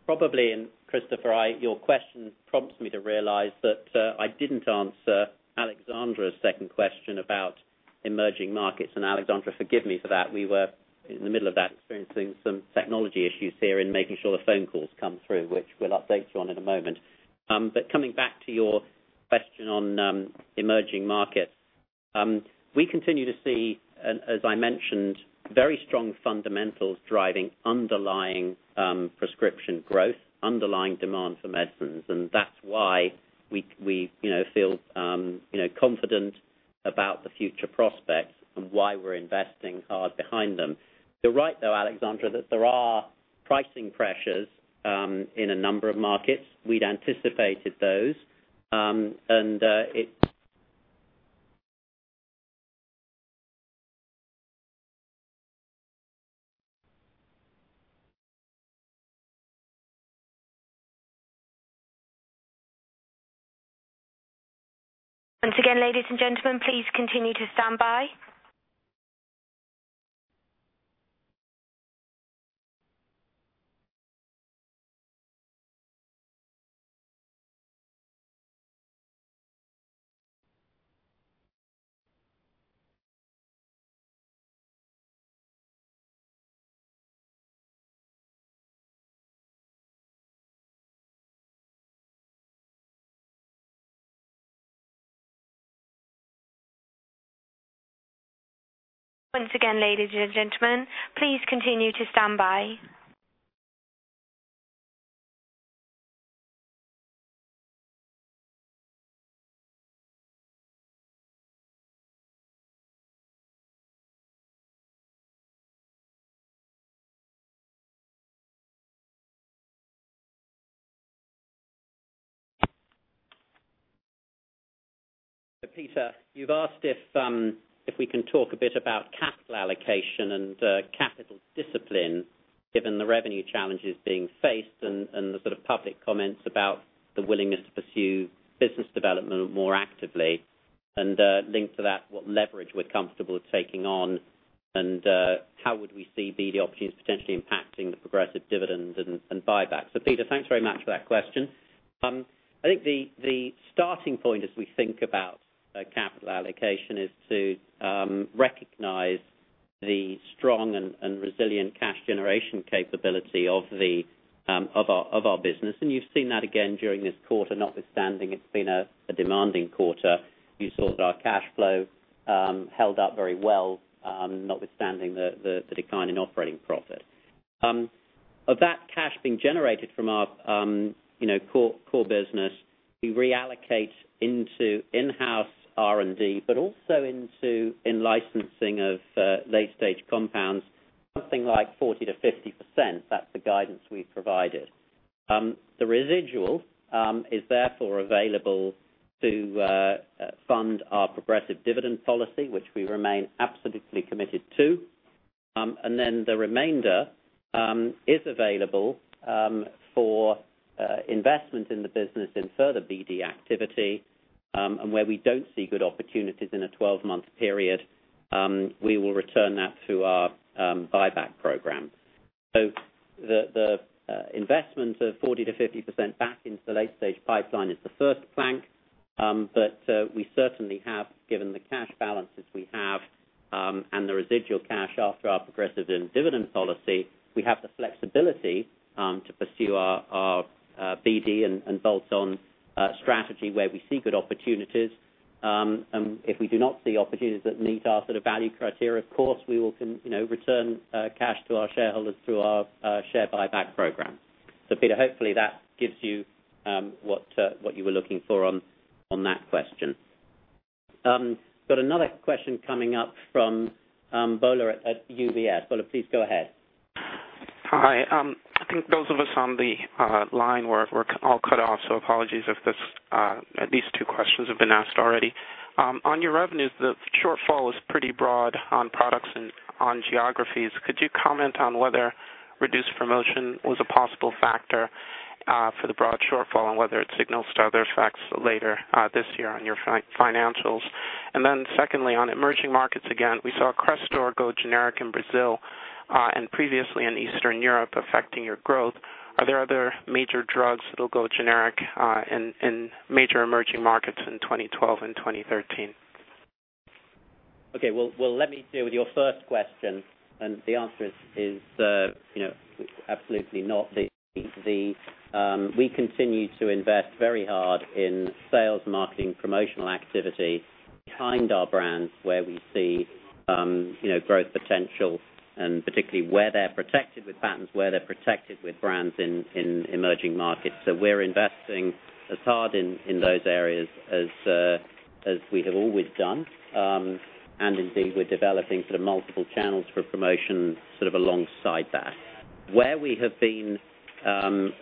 Probably, Christopher, your question prompts me to realize that I didn't answer Alexandra's second question about emerging markets. Alexandra, forgive me for that. We were in the middle of that experiencing some technology issues here in making sure the phone calls come through, which we'll update you on in a moment. Coming back to your question on emerging markets, we continue to see, as I mentioned, very strong fundamentals driving underlying prescription growth, underlying demand for medicines. That's why we feel confident about the future prospects and why we're investing hard behind them. You're right, though, Alexandra, that there are pricing pressures in a number of markets. We'd anticipated those. It's.
Once again, ladies and gentlemen, please continue to stand by. Once again, ladies and gentlemen, please continue to stand by.
Peter, you've asked if we can talk a bit about capital allocation and capital discipline, given the revenue challenges being faced and the sort of public comments about the willingness to pursue business development more actively. Linked to that, what leverage we're comfortable taking on and how we would see the opportunities potentially impacting the progressive dividends and buybacks. Peter, thanks very much for that question. I think the starting point as we think about capital allocation is to recognize the strong and resilient cash generation capability of our business. You've seen that again during this quarter, notwithstanding it's been a demanding quarter. You saw that our cash flow held up very well, notwithstanding the decline in operating profit. Of that cash being generated from our core business, we reallocate into in-house R&D, but also in licensing of late-stage compounds, something like 40%-50%. That's the guidance we provided. The residual is therefore available to fund our progressive dividend policy, which we remain absolutely committed to. The remainder is available for investment in the business in further BD activity. Where we don't see good opportunities in a 12-month period, we will return that through our buyback program. The investment of 40%-50% back into the late-stage pipeline is the first plank. We certainly have, given the cash balances we have and the residual cash after our progressive dividend policy, the flexibility to pursue our BD and bolt-on strategy where we see good opportunities. If we do not see opportunities that meet our sort of value criteria, of course, we will return cash to our shareholders through our share buyback program. Peter, hopefully, that gives you what you were looking for on that question. We've got another question coming up from Gbola at UBS. Gbola, please go ahead.
Hi. I think those of us on the line were all cut off, so apologies if these two questions have been asked already. On your revenues, the shortfall was pretty broad on products and on geographies. Could you comment on whether reduced promotion was a possible factor for the broad shortfall and whether it signals other effects later this year on your financials? Secondly, on emerging markets again, we saw Crestor go generic in Brazil and previously in Eastern Europe, affecting your growth. Are there other major drugs that will go generic in major emerging markets in 2012 and 2013?
Let me deal with your first question. The answer is absolutely not. We continue to invest very hard in sales, marketing, and promotional activity behind our brands where we see growth potential and particularly where they're protected with patents, where they're protected with brands in emerging markets. We're investing as hard in those areas as we have always done. Indeed, we're developing sort of multiple channels for promotion alongside that. Where we have been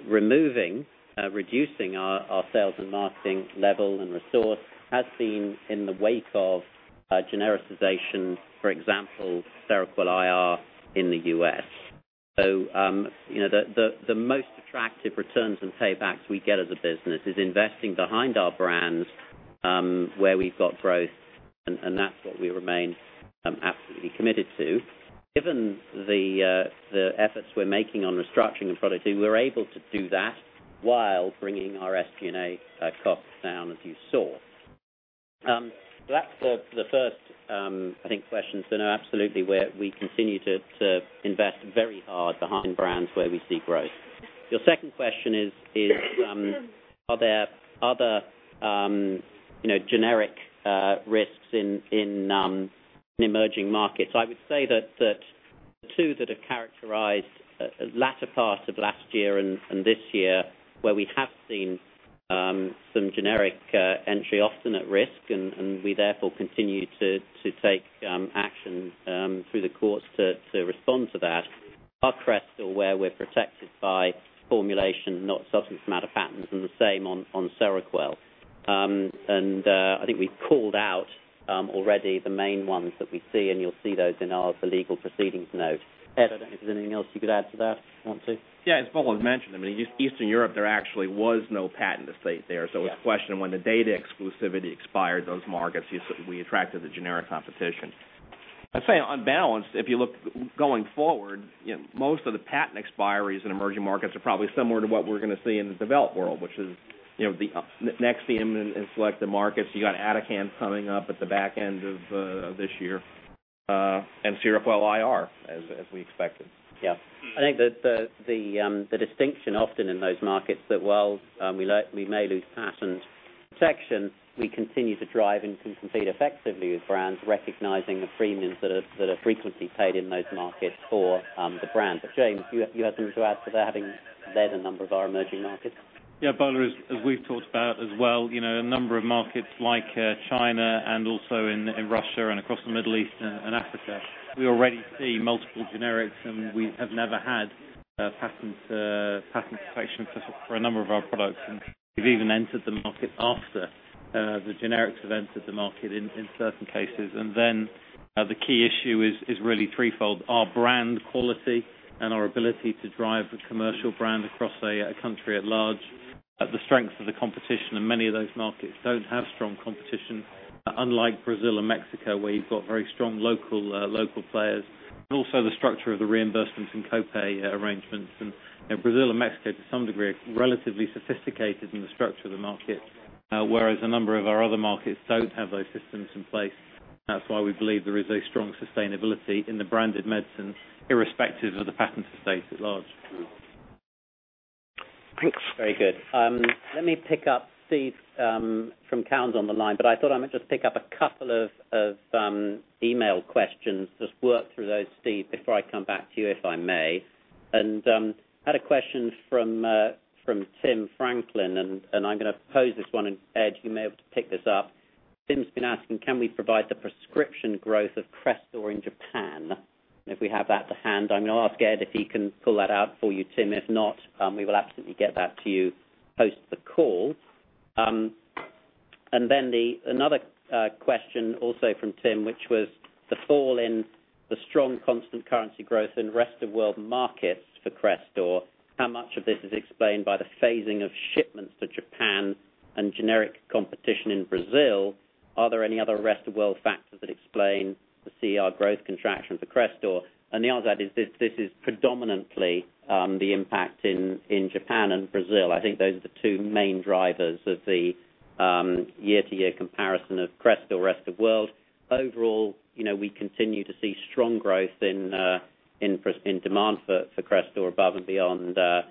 removing, reducing our sales and marketing level and resource has been in the wake of genericization, for example, Seroquel IR in the U.S. The most attractive returns and paybacks we get as a business is investing behind our brands where we've got growth. That's what we remain absolutely committed to. Given the efforts we're making on restructuring and productivity, we're able to do that while bringing our SG&A costs down, as you saw. That's the first, I think, question. No, absolutely, we continue to invest very hard behind brands where we see growth. Your second question is, are there other generic risks in emerging markets? I would say that the two that have characterized the latter part of last year and this year, where we have seen some generic entry often at risk, and we therefore continue to take action through the courts to respond to that, are Crestor where we're protected by formulation, not substance, amount of patents, and the same on Seroquel. I think we've called out already the main ones that we see, and you'll see those in our legal proceedings note. Ed, I don't know if there's anything else you could add to that answer.
Yeah, it's important to mention that in Eastern Europe, there actually was no patent estate there. It's a question of when the data exclusivity expired in those markets, we attracted the generic competition. I'd say on balance, if you look going forward, most of the patent expiry in emerging markets are probably similar to what we're going to see in the developed world, which is the Nexium in selected markets. You've got Atacand coming up at the back end of this year and Seroquel IR, as we expected.
Yeah. I think that the distinction often in those markets is that, while we may lose patent section, we continue to drive and compete effectively with brands, recognizing the premiums that are frequently paid in those markets for the brand. James, you had something to add for that, having led a number of our emerging markets.
Yeah, as we've talked about as well, a number of markets like China and also in Russia and across the Middle East and Africa, we already see multiple generics, and we have never had patent protection for a number of our products. We've even entered the market after the generics have entered the market in certain cases. The key issue is really threefold: our brand quality and our ability to drive a commercial brand across a country at large, the strengths of the competition in many of those markets don't have strong competition, unlike Brazil and Mexico, where you've got very strong local players, and also the structure of the reimbursements and copay arrangements. Brazil and Mexico, to some degree, are relatively sophisticated in the structure of the market, whereas a number of our other markets don't have those systems in place. That's why we believe there is a strong sustainability in the branded medicine, irrespective of the patent estate at large.
Very good. Let me pick up Steve from Cowen's on the line, but I thought I might just pick up a couple of email questions, just work through those, Steve, before I come back to you, if I may. I had a question from Tim Franklin, and I'm going to pose this one. Ed, you may be able to pick this up. Tim's been asking, can we provide the prescription growth of Crestor in Japan? If we have that to hand, I'm going to ask Ed if he can pull that out for you, Tim. If not, we will absolutely get that to you post the call. Another question also from Tim was the fall in the strong constant currency growth in the rest of the world markets for Crestor. How much of this is explained by the phasing of shipments to Japan and generic competition in Brazil? Are there any other rest of the world factors that explain the CER growth contraction for Crestor? The answer to that is this is predominantly the impact in Japan and Brazil. I think those are the two main drivers of the year-to-year comparison of Crestor rest of the world. Overall, we continue to see strong growth in demand for Crestor above and beyond the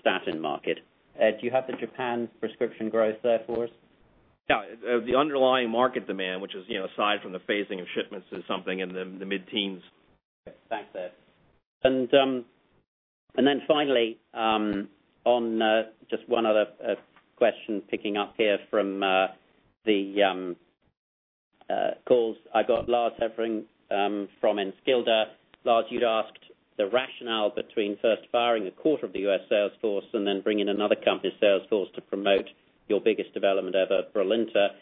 statin market. Ed, do you have the Japan's prescription growth there for us?
Yeah, the underlying market demand, which is aside from the phasing of shipments, is something in the mid-teens.
Thanks, Ed. Finally, on just one other question picking up here from the calls, I got Lars Hevreng from Enskilda. Lars, you'd asked the rationale between first firing a quarter of the U.S. sales force and then bringing in another company's sales force to promote your biggest development ever, Brilinta.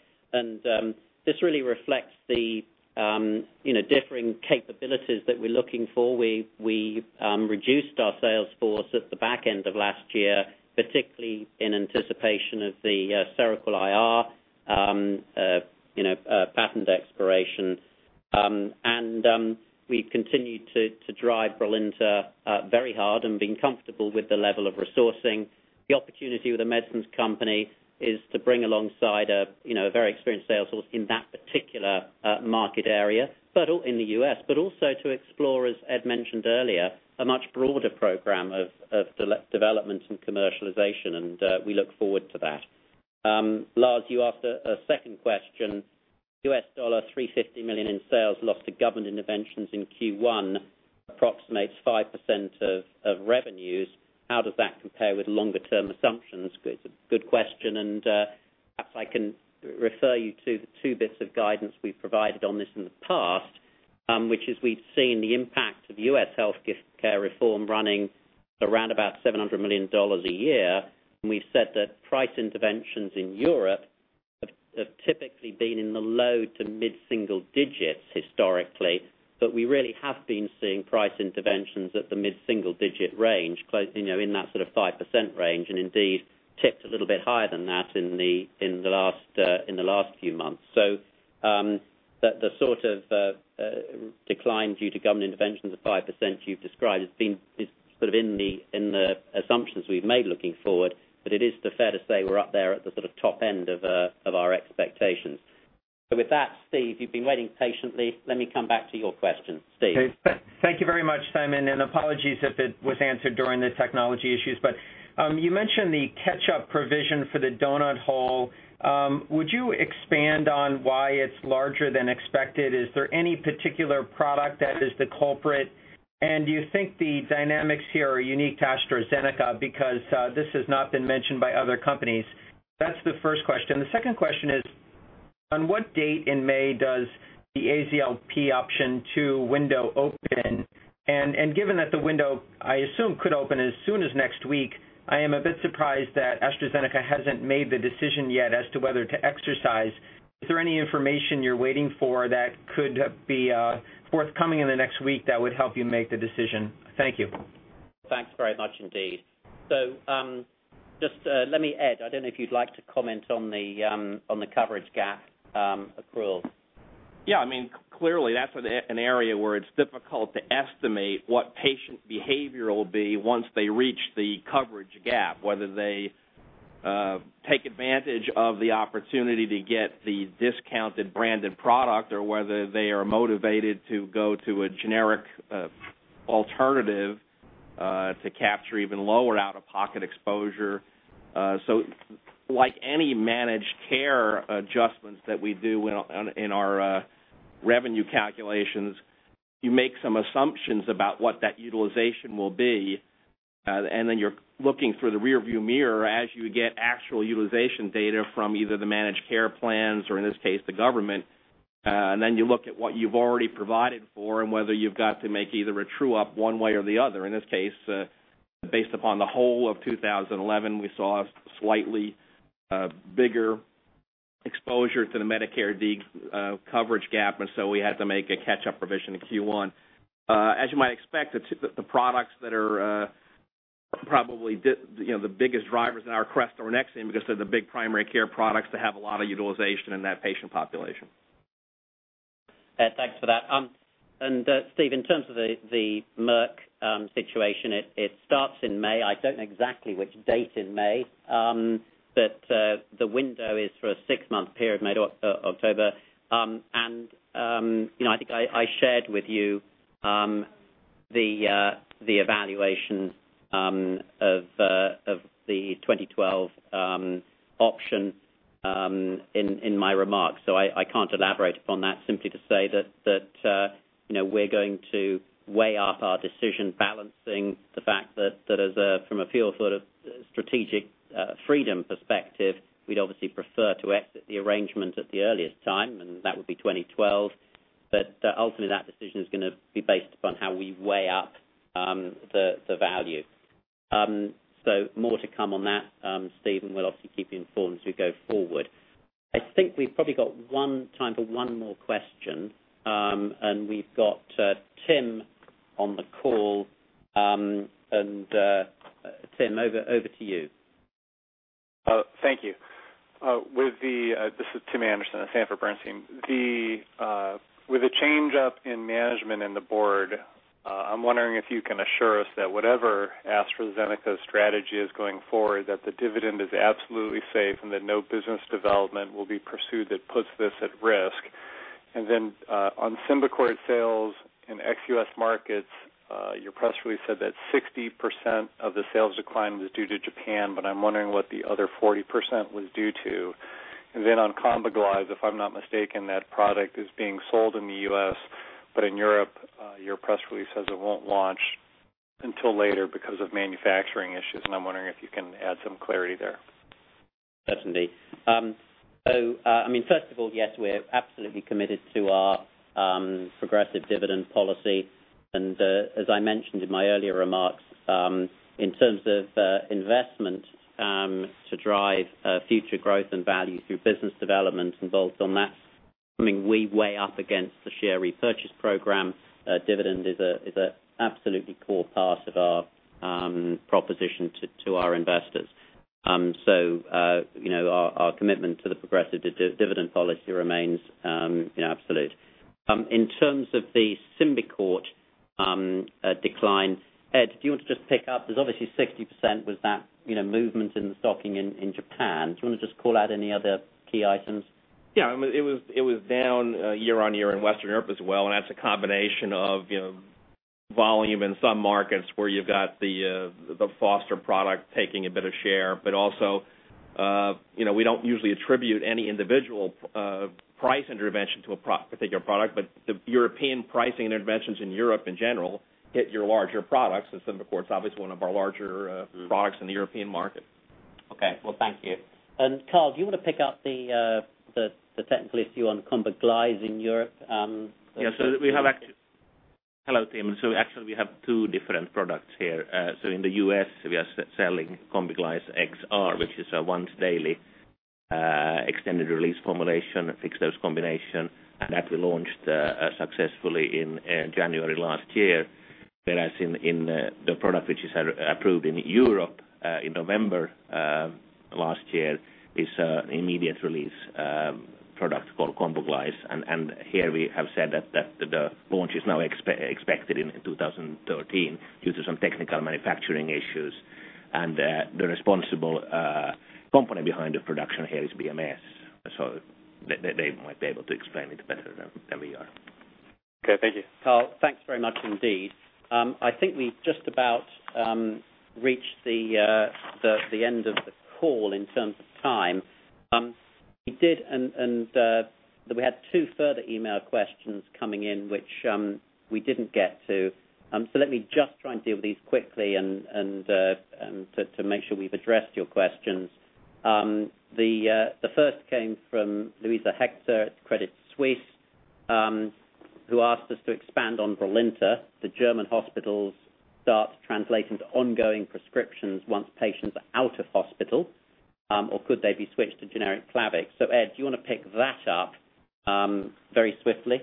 This really reflects the differing capabilities that we're looking for. We reduced our sales force at the back end of last year, particularly in anticipation of the Seroquel IR patent expiration. We've continued to drive Brilinta very hard and been comfortable with the level of resourcing. The opportunity with The Medicines Company is to bring alongside a very experienced sales force in that particular market area in the U.S., but also to explore, as Ed mentioned earlier, a much broader program of development and commercialization. We look forward to that. Lars, you asked a second question. U.S. dollar $350 million in sales lost to government interventions in Q1 approximates 5% of revenues. How does that compare with longer-term assumptions? It's a good question. Perhaps I can refer you to the two bits of guidance we've provided on this in the past, which is we've seen the impact of U.S. healthcare reform running around about $700 million a year. We've said that price interventions in Europe have typically been in the low to mid-single digits historically, but we really have been seeing price interventions at the mid-single digit range, in that sort of 5% range, and indeed tipped a little bit higher than that in the last few months. The sort of decline due to government interventions of 5% you've described is in the assumptions we've made looking forward, but it is fair to say we're up there at the top end of our expectations. With that, Steve, you've been waiting patiently. Let me come back to your question, Steve.
Okay. Thank you very much, Simon, and apologies if it was answered during the technology issues. You mentioned the catch-up provision for the donut hole. Would you expand on why it's larger than expected? Is there any particular product that is the culprit? Do you think the dynamics here are unique to AstraZeneca because this has not been mentioned by other companies? That's the first question. The second question is, on what date in May does the AZLP option to window open? Given that the window, I assume, could open as soon as next week, I am a bit surprised that AstraZeneca hasn't made the decision yet as to whether to exercise. Is there any information you're waiting for that could be forthcoming in the next week that would help you make the decision? Thank you.
Thank you very much indeed. Let me add, I don't know if you'd like to comment on the coverage gap rules.
Yeah, I mean, clearly, that's an area where it's difficult to estimate what patient behavior will be once they reach the coverage gap, whether they take advantage of the opportunity to get the discounted branded product or whether they are motivated to go to a generic alternative to capture even lower out-of-pocket exposure. Like any managed care adjustments that we do in our revenue calculations, you make some assumptions about what that utilization will be, and then you're looking through the rearview mirror as you get actual utilization data from either the managed care plans or, in this case, the government. You look at what you've already provided for and whether you've got to make either a true up one way or the other. In this case, based upon the whole of 2011, we saw a slightly bigger exposure to the Medicare coverage gap, and we had to make a catch-up provision in Q1. As you might expect, the products that are probably the biggest drivers are Crestor and Nexium because they're the big primary care products that have a lot of utilization in that patient population.
Thanks for that. Steve, in terms of the Merck situation, it starts in May. I don't know exactly which date in May, but the window is for a six-month period, May to October. I think I shared with you the evaluation of the 2012 option in my remarks. I can't elaborate upon that, simply to say that we're going to weigh up our decision, balancing the fact that from a few sort of strategic freedom perspective, we'd obviously prefer to exit the arrangement at the earliest time, and that would be 2012. Ultimately, that decision is going to be based upon how we weigh up the value. More to come on that, Steve, and we'll obviously keep you informed as we go forward. I think we've probably got time for one more question, and we've got Tim on the call. Tim, over to you.
Thank you. This is Tim Anderson at Sandford Bernstein. With a change-up in management in the board, I'm wondering if you can assure us that whatever AstraZeneca's strategy is going forward, that the dividend is absolutely safe and that no business development will be pursued that puts this at risk. On Symbicort sales in ex-U.S. markets, your press release said that 60% of the sales decline was due to Japan, but I'm wondering what the other 40% was due to. On Kombiglyze, if I'm not mistaken, that product is being sold in the U.S., but in Europe, your press release says it won't launch until later because of manufacturing issues. I'm wondering if you can add some clarity there.
Yes, that's indeed. First of all, yes, we're absolutely committed to our progressive dividend policy. As I mentioned in my earlier remarks, in terms of investment to drive future growth and value through business development and bolt-on, we weigh up against the share repurchase program. Dividend is an absolutely core part of our proposition to our investors. Our commitment to the progressive dividend policy remains absolute. In terms of the Symbicort decline, Ed, do you want to just pick up? Obviously, 60% was that movement in the stocking in Japan. Do you want to just call out any other key items?
Yeah, it was down year on year in Western Europe as well, and that's a combination of volume in some markets where you've got the Foster product taking a bit of share. Also, we don't usually attribute any individual price intervention to a particular product, but the European pricing interventions in Europe in general hit your larger products. Symbicort's obviously one of our larger products in the European market.
Thank you. Karl, do you want to pick up the technical issue on Kombiglyze in Europe?
Yeah, we have actually... Hello, Tim. We have two different products here. In the U.S., we are selling Kombiglyze XR, which is a once-daily extended release formulation, a fixed dose combination, that we launched successfully in January last year, whereas the product which is approved in Europe in November last year is an immediate release product called Kombiglyze. We have said that the launch is now expected in 2013 due to some technical manufacturing issues. The responsible company behind the production here is BMS. They might be able to explain it better than we are.
Okay. Thank you. Karl, thanks very much indeed. I think we've just about reached the end of the call in terms of time. We did, and we had two further email questions coming in, which we didn't get to. Let me just try and deal with these quickly to make sure we've addressed your questions. The first came from Luisa Hector at Credit Suisse, who asked us to expand on Brilinta. The German hospitals start translating to ongoing prescriptions once patients are out of hospital, or could they be switched to generic Plavix? Ed, do you want to pick that up very swiftly?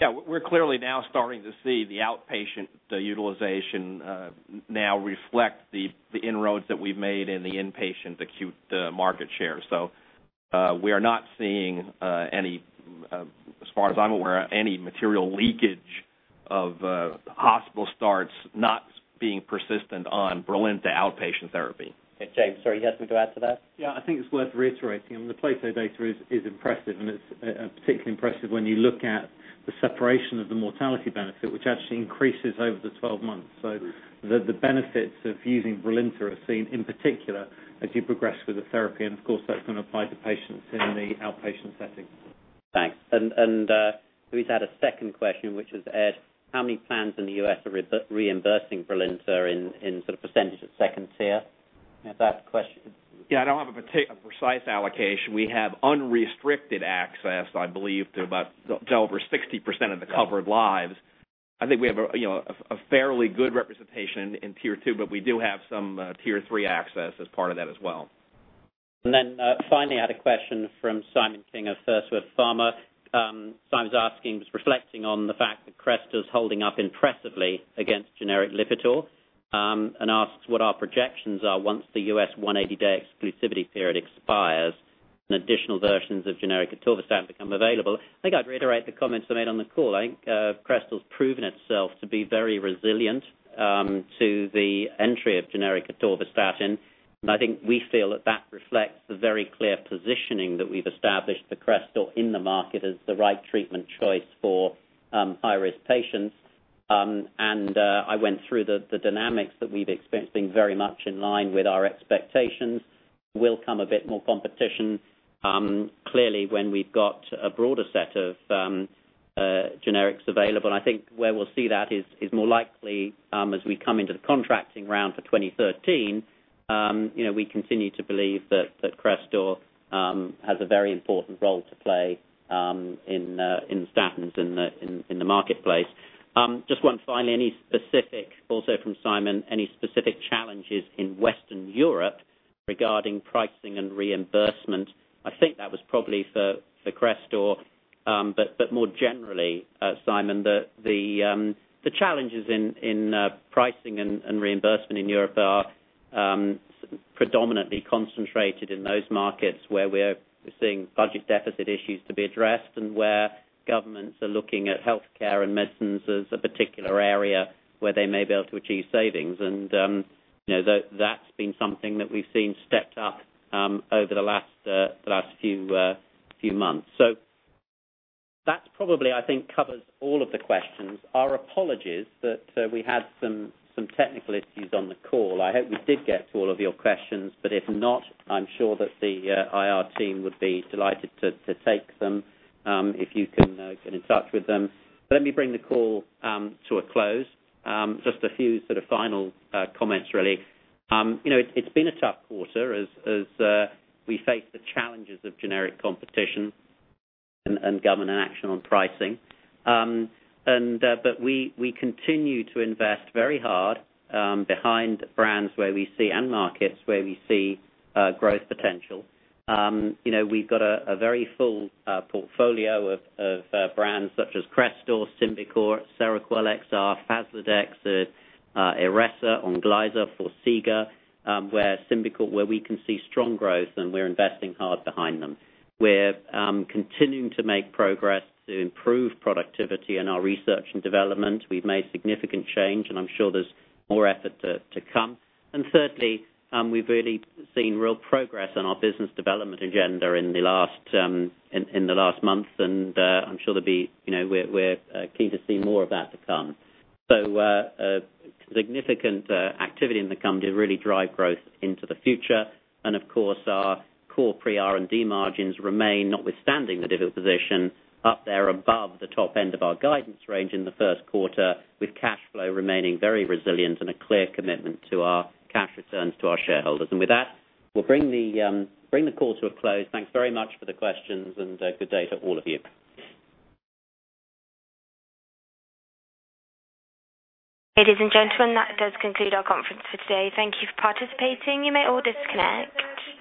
Yeah, we're clearly now starting to see the outpatient utilization now reflect the inroads that we've made in the inpatient acute market share. We are not seeing any. As far as I'm aware, any material leakage of hospital starts not being persistent on Brilinta outpatient therapy.
James, sorry, you had something to add to that?
Yeah, I think it's worth reiterating. The placebo data is impressive, and it's particularly impressive when you look at the separation of the mortality benefit, which actually increases over the 12 months. The benefits of using Brilinta are seen in particular as you progress with the therapy, and of course that's going to apply to patients in the outpatient setting.
Thanks. Who's had a second question, which is, Ed, how many plans in the U.S. are reimbursing Brilinta in sort of percentage of second tier?
I don't have a precise allocation. We have unrestricted access, I believe, to well over 60% of the covered lives. I think we have a fairly good representation in Tier 2, but we do have some Tier 3 access as part of that as well.
Finally, I had a question from Simon King of FirstWord Pharma. Simon's asking, reflecting on the fact that Crestor's holding up impressively against generic Lipitor, and asks what our projections are once the U.S. 180-day exclusivity period expires and additional versions of generic Atorvastatin become available. I think I'd reiterate the comments I made on the call. I think Crestor's proven itself to be very resilient to the entry of generic Atorvastatin, and I think we feel that that reflects the very clear positioning that we've established for Crestor in the market as the right treatment choice for high-risk patients. I went through the dynamics that we've experienced being very much in line with our expectations. There will come a bit more competition, clearly, when we've got a broader set of generics available, and I think where we'll see that is more likely as we come into the contracting round for 2013. We continue to believe that Crestor has a very important role to play in statins in the marketplace. Just one finally, also from Simon, any specific challenges in Western Europe regarding pricing and reimbursement? I think that was probably for Crestor, but more generally, Simon, the challenges in pricing and reimbursement in Europe are predominantly concentrated in those markets where we're seeing budget deficit issues to be addressed and where governments are looking at healthcare and medicines as a particular area where they may be able to achieve savings. That's been something that we've seen stepped up over the last few months. That probably covers all of the questions. Our apologies that we had some technical issues on the call. I hope we did get to all of your questions, but if not, I'm sure that the IR team would be delighted to take some if you can get in touch with them. Let me bring the call to a close. Just a few sort of final comments really. It's been a tough quarter as we face the challenges of generic competition and government action on pricing. We continue to invest very hard behind brands and markets where we see growth potential. We've got a very full portfolio of brands such as Crestor, Symbicort, Seroquel XR, Faslodex, Onglyza, Forxiga, where we can see strong growth and we're investing hard behind them. We're continuing to make progress to improve productivity in our research and development. We've made significant change, and I'm sure there's more effort to come. Thirdly, we've really seen real progress on our business development agenda in the last month, and I'm sure we're keen to see more of that to come. Significant activity in the company to really drive growth into the future. Of course, our core pre-R&D margins remain, notwithstanding the dividend position, up there above the top end of our guidance range in the first quarter, with cash flow remaining very resilient and a clear commitment to our cash returns to our shareholders. With that, we'll bring the call to a close. Thanks very much for the questions and good day to all of you.
Ladies and gentlemen, that does conclude our conference for today. Thank you for participating. You may all disconnect.